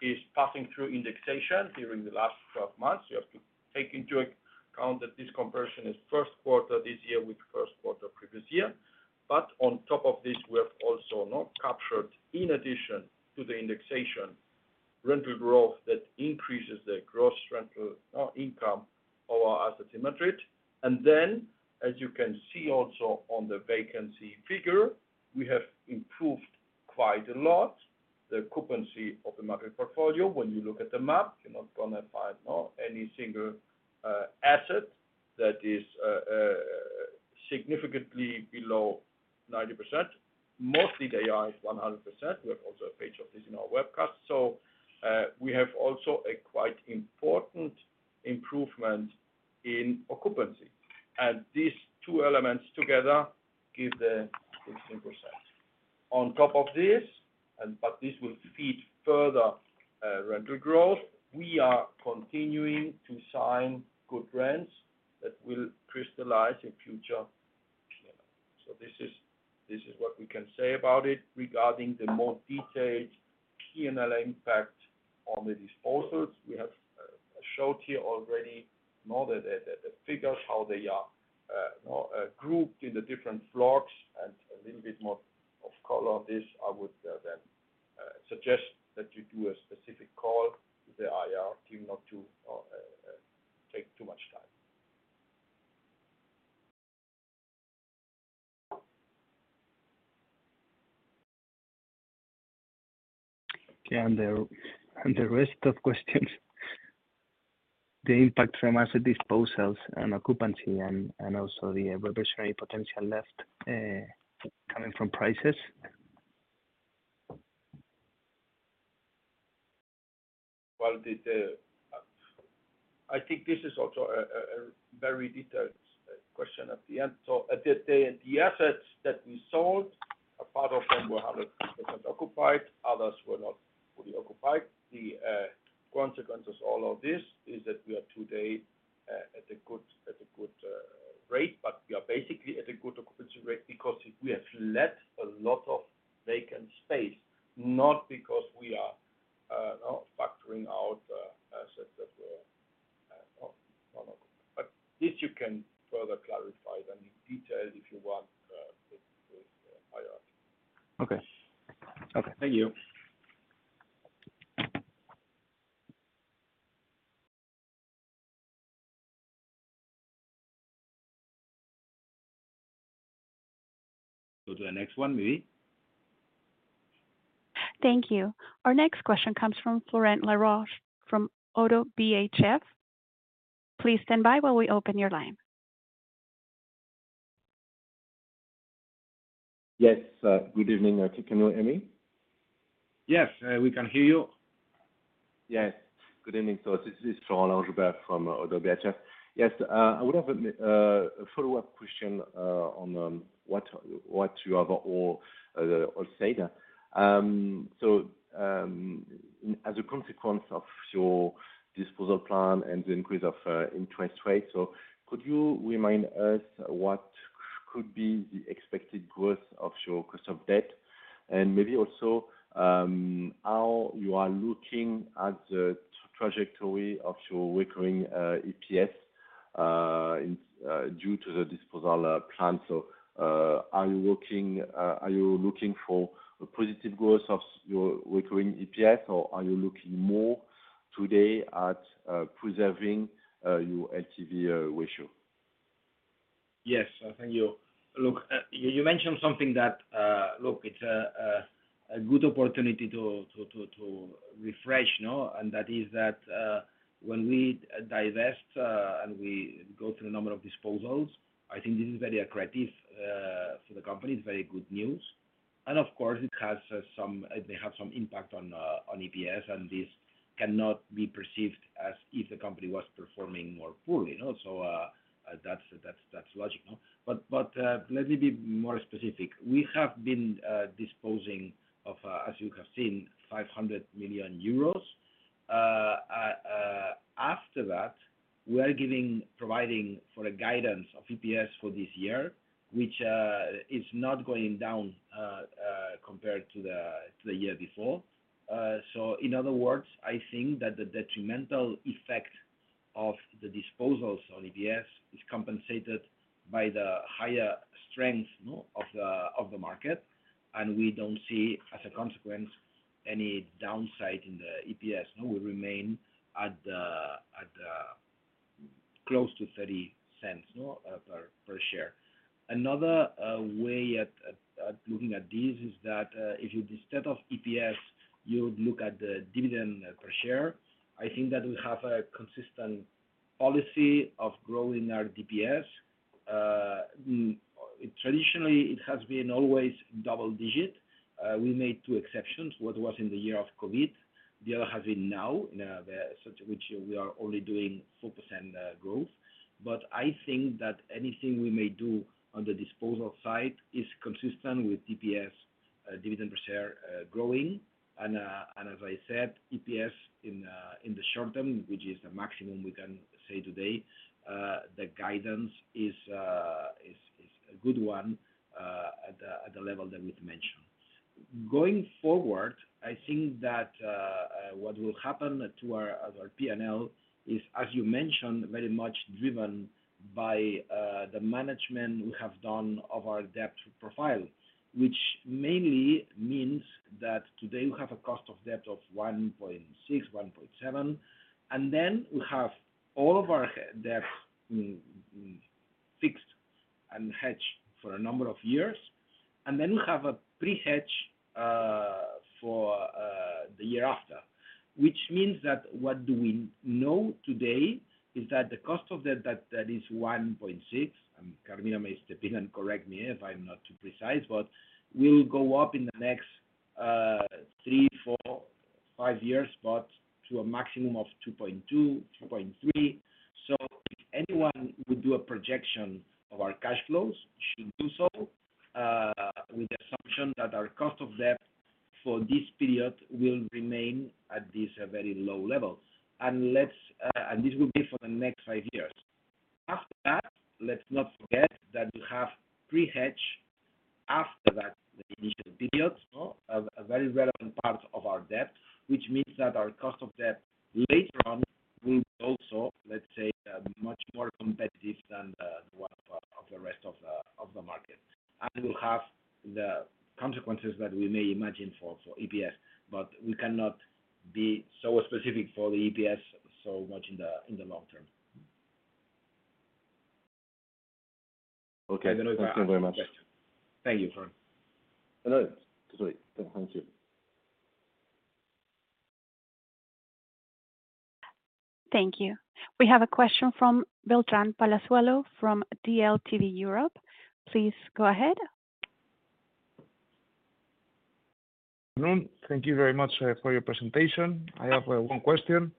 is passing through indexation during the last 12 months. You have to take into account that this comparison is first quarter this year with first quarter previous year. On top of this, we have also not captured, in addition to the indexation, rental growth that increases the gross rental income of our assets in Madrid. As you can see also on the vacancy figure, we have improved quite a lot. The occupancy of the Madrid portfolio, when you look at the map, you're not gonna find any single asset that is significantly below 90%. Mostly they are 100%. We have also a page of this in our webcast. We have also a quite important improvement in occupancy. These two elements together give the 16%. On top of this, and but this will feed further, rental growth, we are continuing to sign good rents that will crystallize in future. This is what we can say about it regarding the more detailed P&L impact on the disposals. We have showed here already more the, the figures, how they are, you know, grouped in the different floors, and a little bit more of color on this, I would then suggest that you do a specific call with the IR team not to take too much time. Okay. The rest of questions, the impact from asset disposals and occupancy and also the reversionary potential left, coming from prices. Well, I think this is also a very detailed question at the end. At this day, the assets that we sold, a part of them were 100% occupied, others were not fully occupied. The consequences all of this is that we are today at a good rate, but we are basically at a good occupancy rate because we have let a lot of vacant space, not because we are, you know, factoring out assets that were not occupied. This you can further clarify the details if you want with IR. Okay. Okay. Thank you. Go to the next one, maybe. Thank you. Our next question comes from Florent Laroche-Joubert from Oddo BHF. Please stand by while we open your line. Yes. Good evening. Can you hear me? Yes, we can hear you. Yes. Good evening. This is Florent Laroche-Joubert from ODDO BHF. Yes. I would have a follow-up question on what you have or said. As a consequence of your disposal plan and the increase of interest rates, could you remind us what could be the expected growth of your cost of debt? Maybe also how you are looking at the trajectory of your recurring EPS in due to the disposal plan. Are you looking for a positive growth of your recurring EPS, or are you looking more today at preserving your LTV ratio? Yes. Thank you. Look, you mentioned something that, look, it's a good opportunity to refresh, you know, and that is that when we divest and we go through a number of disposals, I think this is very accretive for the company. It's very good news. Of course, it may have some impact on EPS, and this cannot be perceived as if the company was performing more poorly, you know. That's logical. But let me be more specific. We have been disposing of, as you have seen, 500 million euros. After that, we are giving, providing for a guidance of EPS for this year, which is not going down compared to the year before. In other words, I think that the detrimental effect of the disposals on EPS is compensated by the higher strength, you know, of the market, we don't see, as a consequence, any downside in the EPS. No, we remain at the close to 0.30, you know, per share. Another way at looking at this is that if you instead of EPS, you look at the dividend per share, I think that we have a consistent policy of growing our DPS. Traditionally, it has been always double digit. We made two exceptions. One was in the year of COVID. The other has been now the... To which we are only doing 4% growth. I think that anything we may do on the disposal side is consistent with DPS, dividend per share, growing. As I said, EPS in the short term, which is the maximum we can say today, the guidance is a good one at the level that we've mentioned. Going forward, I think that what will happen to our P&L is, as you mentioned, very much driven by the management we have done of our debt profile. Which mainly means that today we have a cost of debt of 1.6, 1.7, and then we have all of our debt fixed and hedged for a number of years. We have a pre-hedge for the year after. What do we know today is that the cost of debt that is 1.6%, and Carmina may step in and correct me if I'm not too precise, but will go up in the next three, four, five years, but to a maximum of 2.2%-2.3%. If anyone would do a projection of our cash flows should do so with the assumption that our cost of debt for this period will remain at this very low level. Let's and this will be for the next five years. After that, let's not forget that we have pre-hedge after that, the initial period. A very relevant part of our debt, which means that our cost of debt later on will be also, let's say, much more competitive than the one of the rest of the market. Will have the consequences that we may imagine for EPS, but we cannot be so specific for the EPS so much in the long term. Okay. Thank you very much. Thank you, Florent. Hello. Sorry. Thank you. Thank you. We have a question from Beltrán Palazuelo from DLTV Europe. Please go ahead. Good noon. Thank you very much for your presentation. I have 1 question.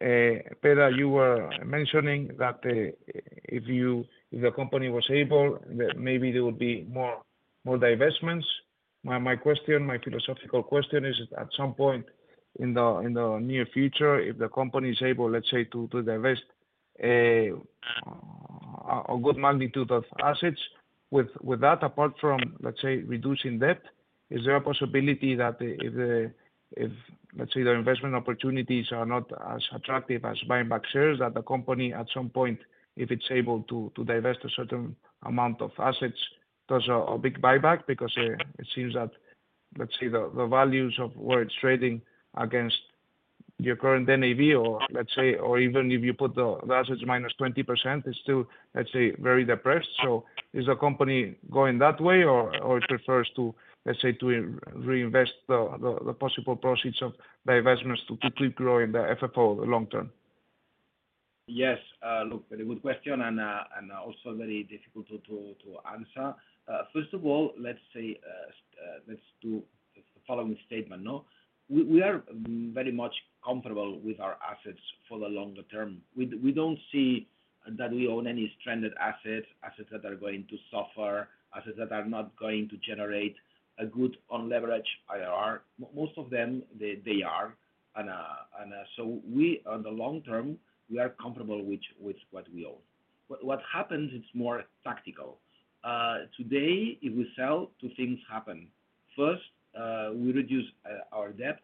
Pedro, you were mentioning that if the company was able, that maybe there would be more divestments. My question, my philosophical question is, at some point in the near future, if the company is able, let's say, to divest a good magnitude of assets, with that apart from, let's say, reducing debt, is there a possibility that if the investment opportunities are not as attractive as buying back shares, that the company, at some point, if it's able to divest a certain amount of assets, does a big buyback? It seems that, let's say the values of where it's trading against your current NAV or let's say, or even if you put the assets minus 20% is still, let's say, very depressed. Is the company going that way or it prefers to, let's say, to reinvest the possible proceeds of divestments to keep growing the FFO long term? Yes. Look, very good question and also very difficult to answer. First of all, let's say, let's do the following statement, no? We are very much comfortable with our assets for the longer term. We don't see that we own any stranded assets that are going to suffer, assets that are not going to generate a good unleveraged IRR. Most of them they are. We, on the long term, are comfortable with what we own. What happens, it's more tactical. Today, if we sell, two things happen. First, we reduce our debt.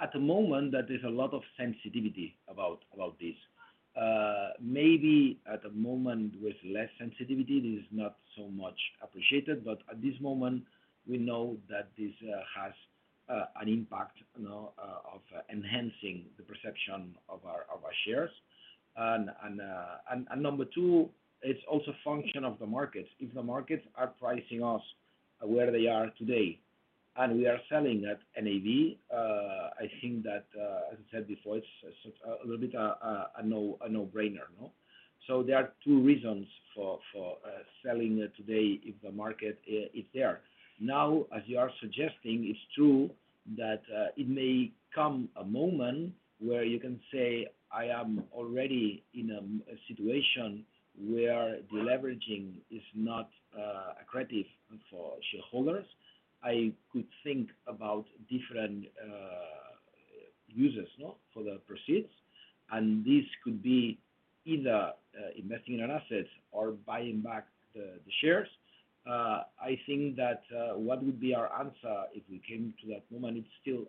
At the moment, that is a lot of sensitivity about this. Maybe at the moment with less sensitivity, it is not so much appreciated, but at this moment we know that this has an impact, you know, of enhancing the perception of our shares. Number two, it's also function of the markets. If the markets are pricing us where they are today and we are selling at NAV, I think that, as I said before, it's a little bit a no-brainer. No? There are two reasons for selling today if the market is there. As you are suggesting, it's true that it may come a moment where you can say, "I am already in a situation where deleveraging is not accretive for shareholders. I could think about different users, no, for the proceeds. This could be either investing in assets or buying back the shares. I think that what would be our answer if we came to that moment, it's still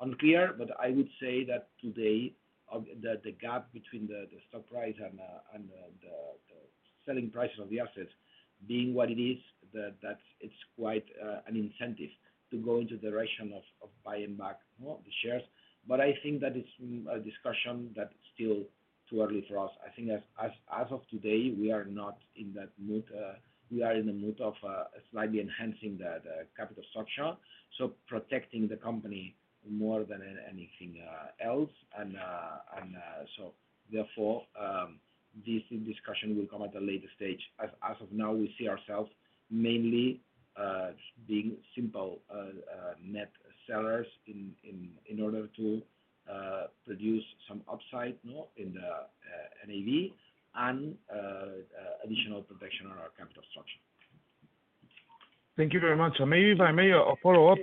unclear, but I would say that today the gap between the stock price and and the selling price of the assets being what it is, that's it's quite an incentive to go into the direction of buying back, no, the shares. I think that it's a discussion that's still too early for us. I think as of today, we are not in that mood. We are in the mood of slightly enhancing the capital structure, so protecting the company more than anything else. Therefore, this discussion will come at a later stage. As of now, we see ourselves mainly being simple net sellers in order to produce some upside, no, in the NAV and additional protection on our capital structure. Thank you very much. Maybe if I may a follow-up.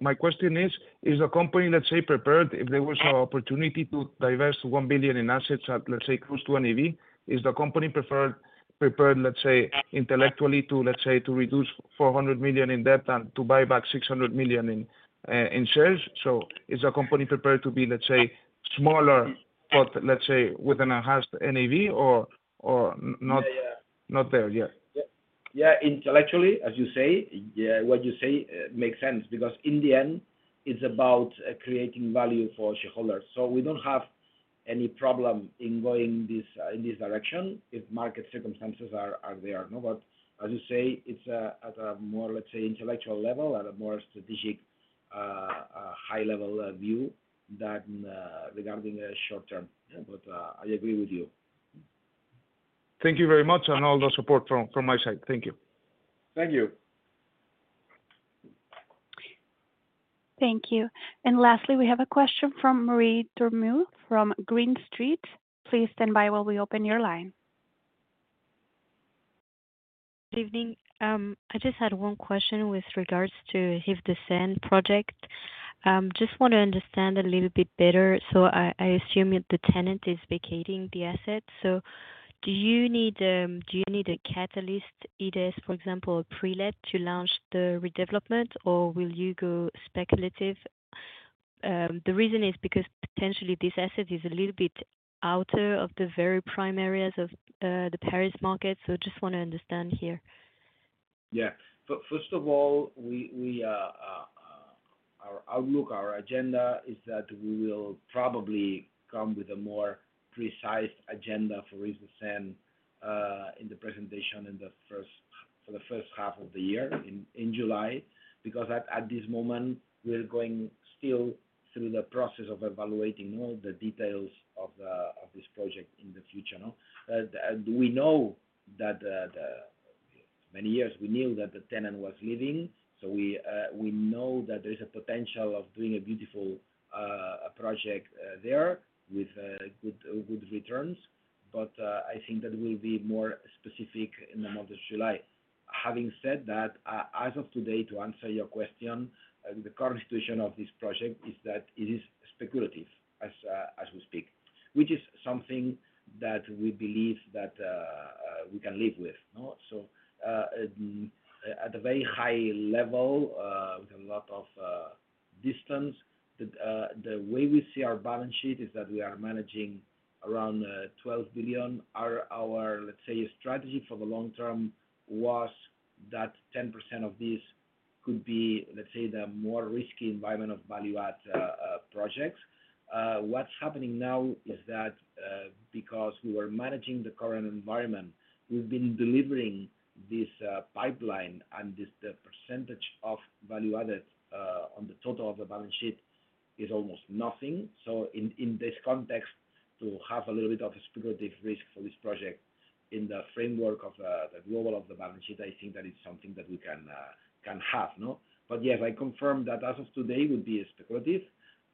My question is the company, let's say, prepared if there was an opportunity to divest 1 billion in assets at, let's say, close to NAV, is the company prepared, let's say, intellectually to, let's say, to reduce 400 million in debt and to buy back 600 million in shares? Is the company prepared to be, let's say, smaller but let's say with enhanced NAV or not? Yeah, yeah. Not there yet. Yeah. Intellectually, as you say, yeah, what you say makes sense because in the end it's about creating value for shareholders. We don't have any problem in going this in this direction if market circumstances are there. As you say, it's at a more, let's say, intellectual level, at a more strategic, high level view than regarding a short term. I agree with you. Thank you very much, and all the support from my side. Thank you. Thank you. Thank you. Lastly, we have a question from Marie Dormeuil from Green Street. Please stand by while we open your line. Good evening. I just had one question with regards to Rives de Seine project. Just want to understand a little bit better. I assume that the tenant is vacating the asset. Do you need a catalyst, it is, for example, pre-let to launch the redevelopment or will you go speculative? The reason is because potentially this asset is a little bit outer of the very prime areas of the Paris market. Just wanna understand here. First of all, we, our outlook, our agenda is that we will probably come with a more precise agenda for Rives de Seine in the presentation for the first half of the year in July. At this moment, we're going still through the process of evaluating all the details of this project in the future, you know. We know that Many years we knew that the tenant was leaving, so we know that there is a potential of doing a beautiful project there with good returns. I think that will be more specific in the month of July. Having said that, as of today, to answer your question, the current situation of this project is that it is speculative as we speak, which is something that we believe that we can live with. At a very high level, with a lot of distance, the way we see our balance sheet is that we are managing around 12 billion. Our, let's say, strategy for the long term was that 10% of this could be, let's say, the more risky environment of value add projects. What's happening now is that because we were managing the current environment, we've been delivering this pipeline, and this the percentage of value added on the total of the balance sheet is almost nothing. In this context, to have a little bit of a speculative risk for this project in the framework of the global of the balance sheet, I think that is something that we can have, you know. Yes, I confirm that as of today will be speculative,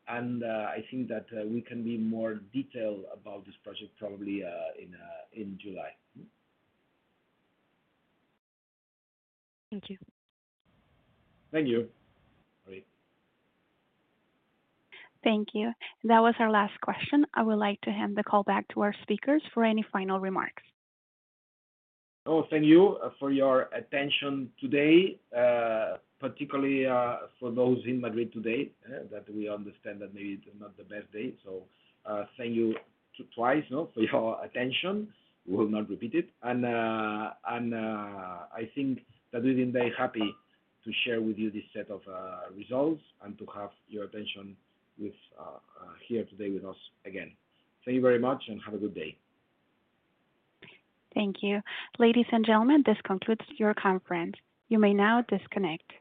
and I think that we can be more detailed about this project probably in July. Thank you. Thank you, Marie. Thank you. That was our last question. I would like to hand the call back to our speakers for any final remarks. Oh, thank you for your attention today, particularly for those in Madrid today. We understand that maybe it's not the best day. Thank you twice, you know, for your attention. We will not repeat it. I think that we've been very happy to share with you this set of results and to have your attention with here today with us again. Thank you very much and have a good day. Thank you. Ladies and gentlemen, this concludes your conference. You may now disconnect.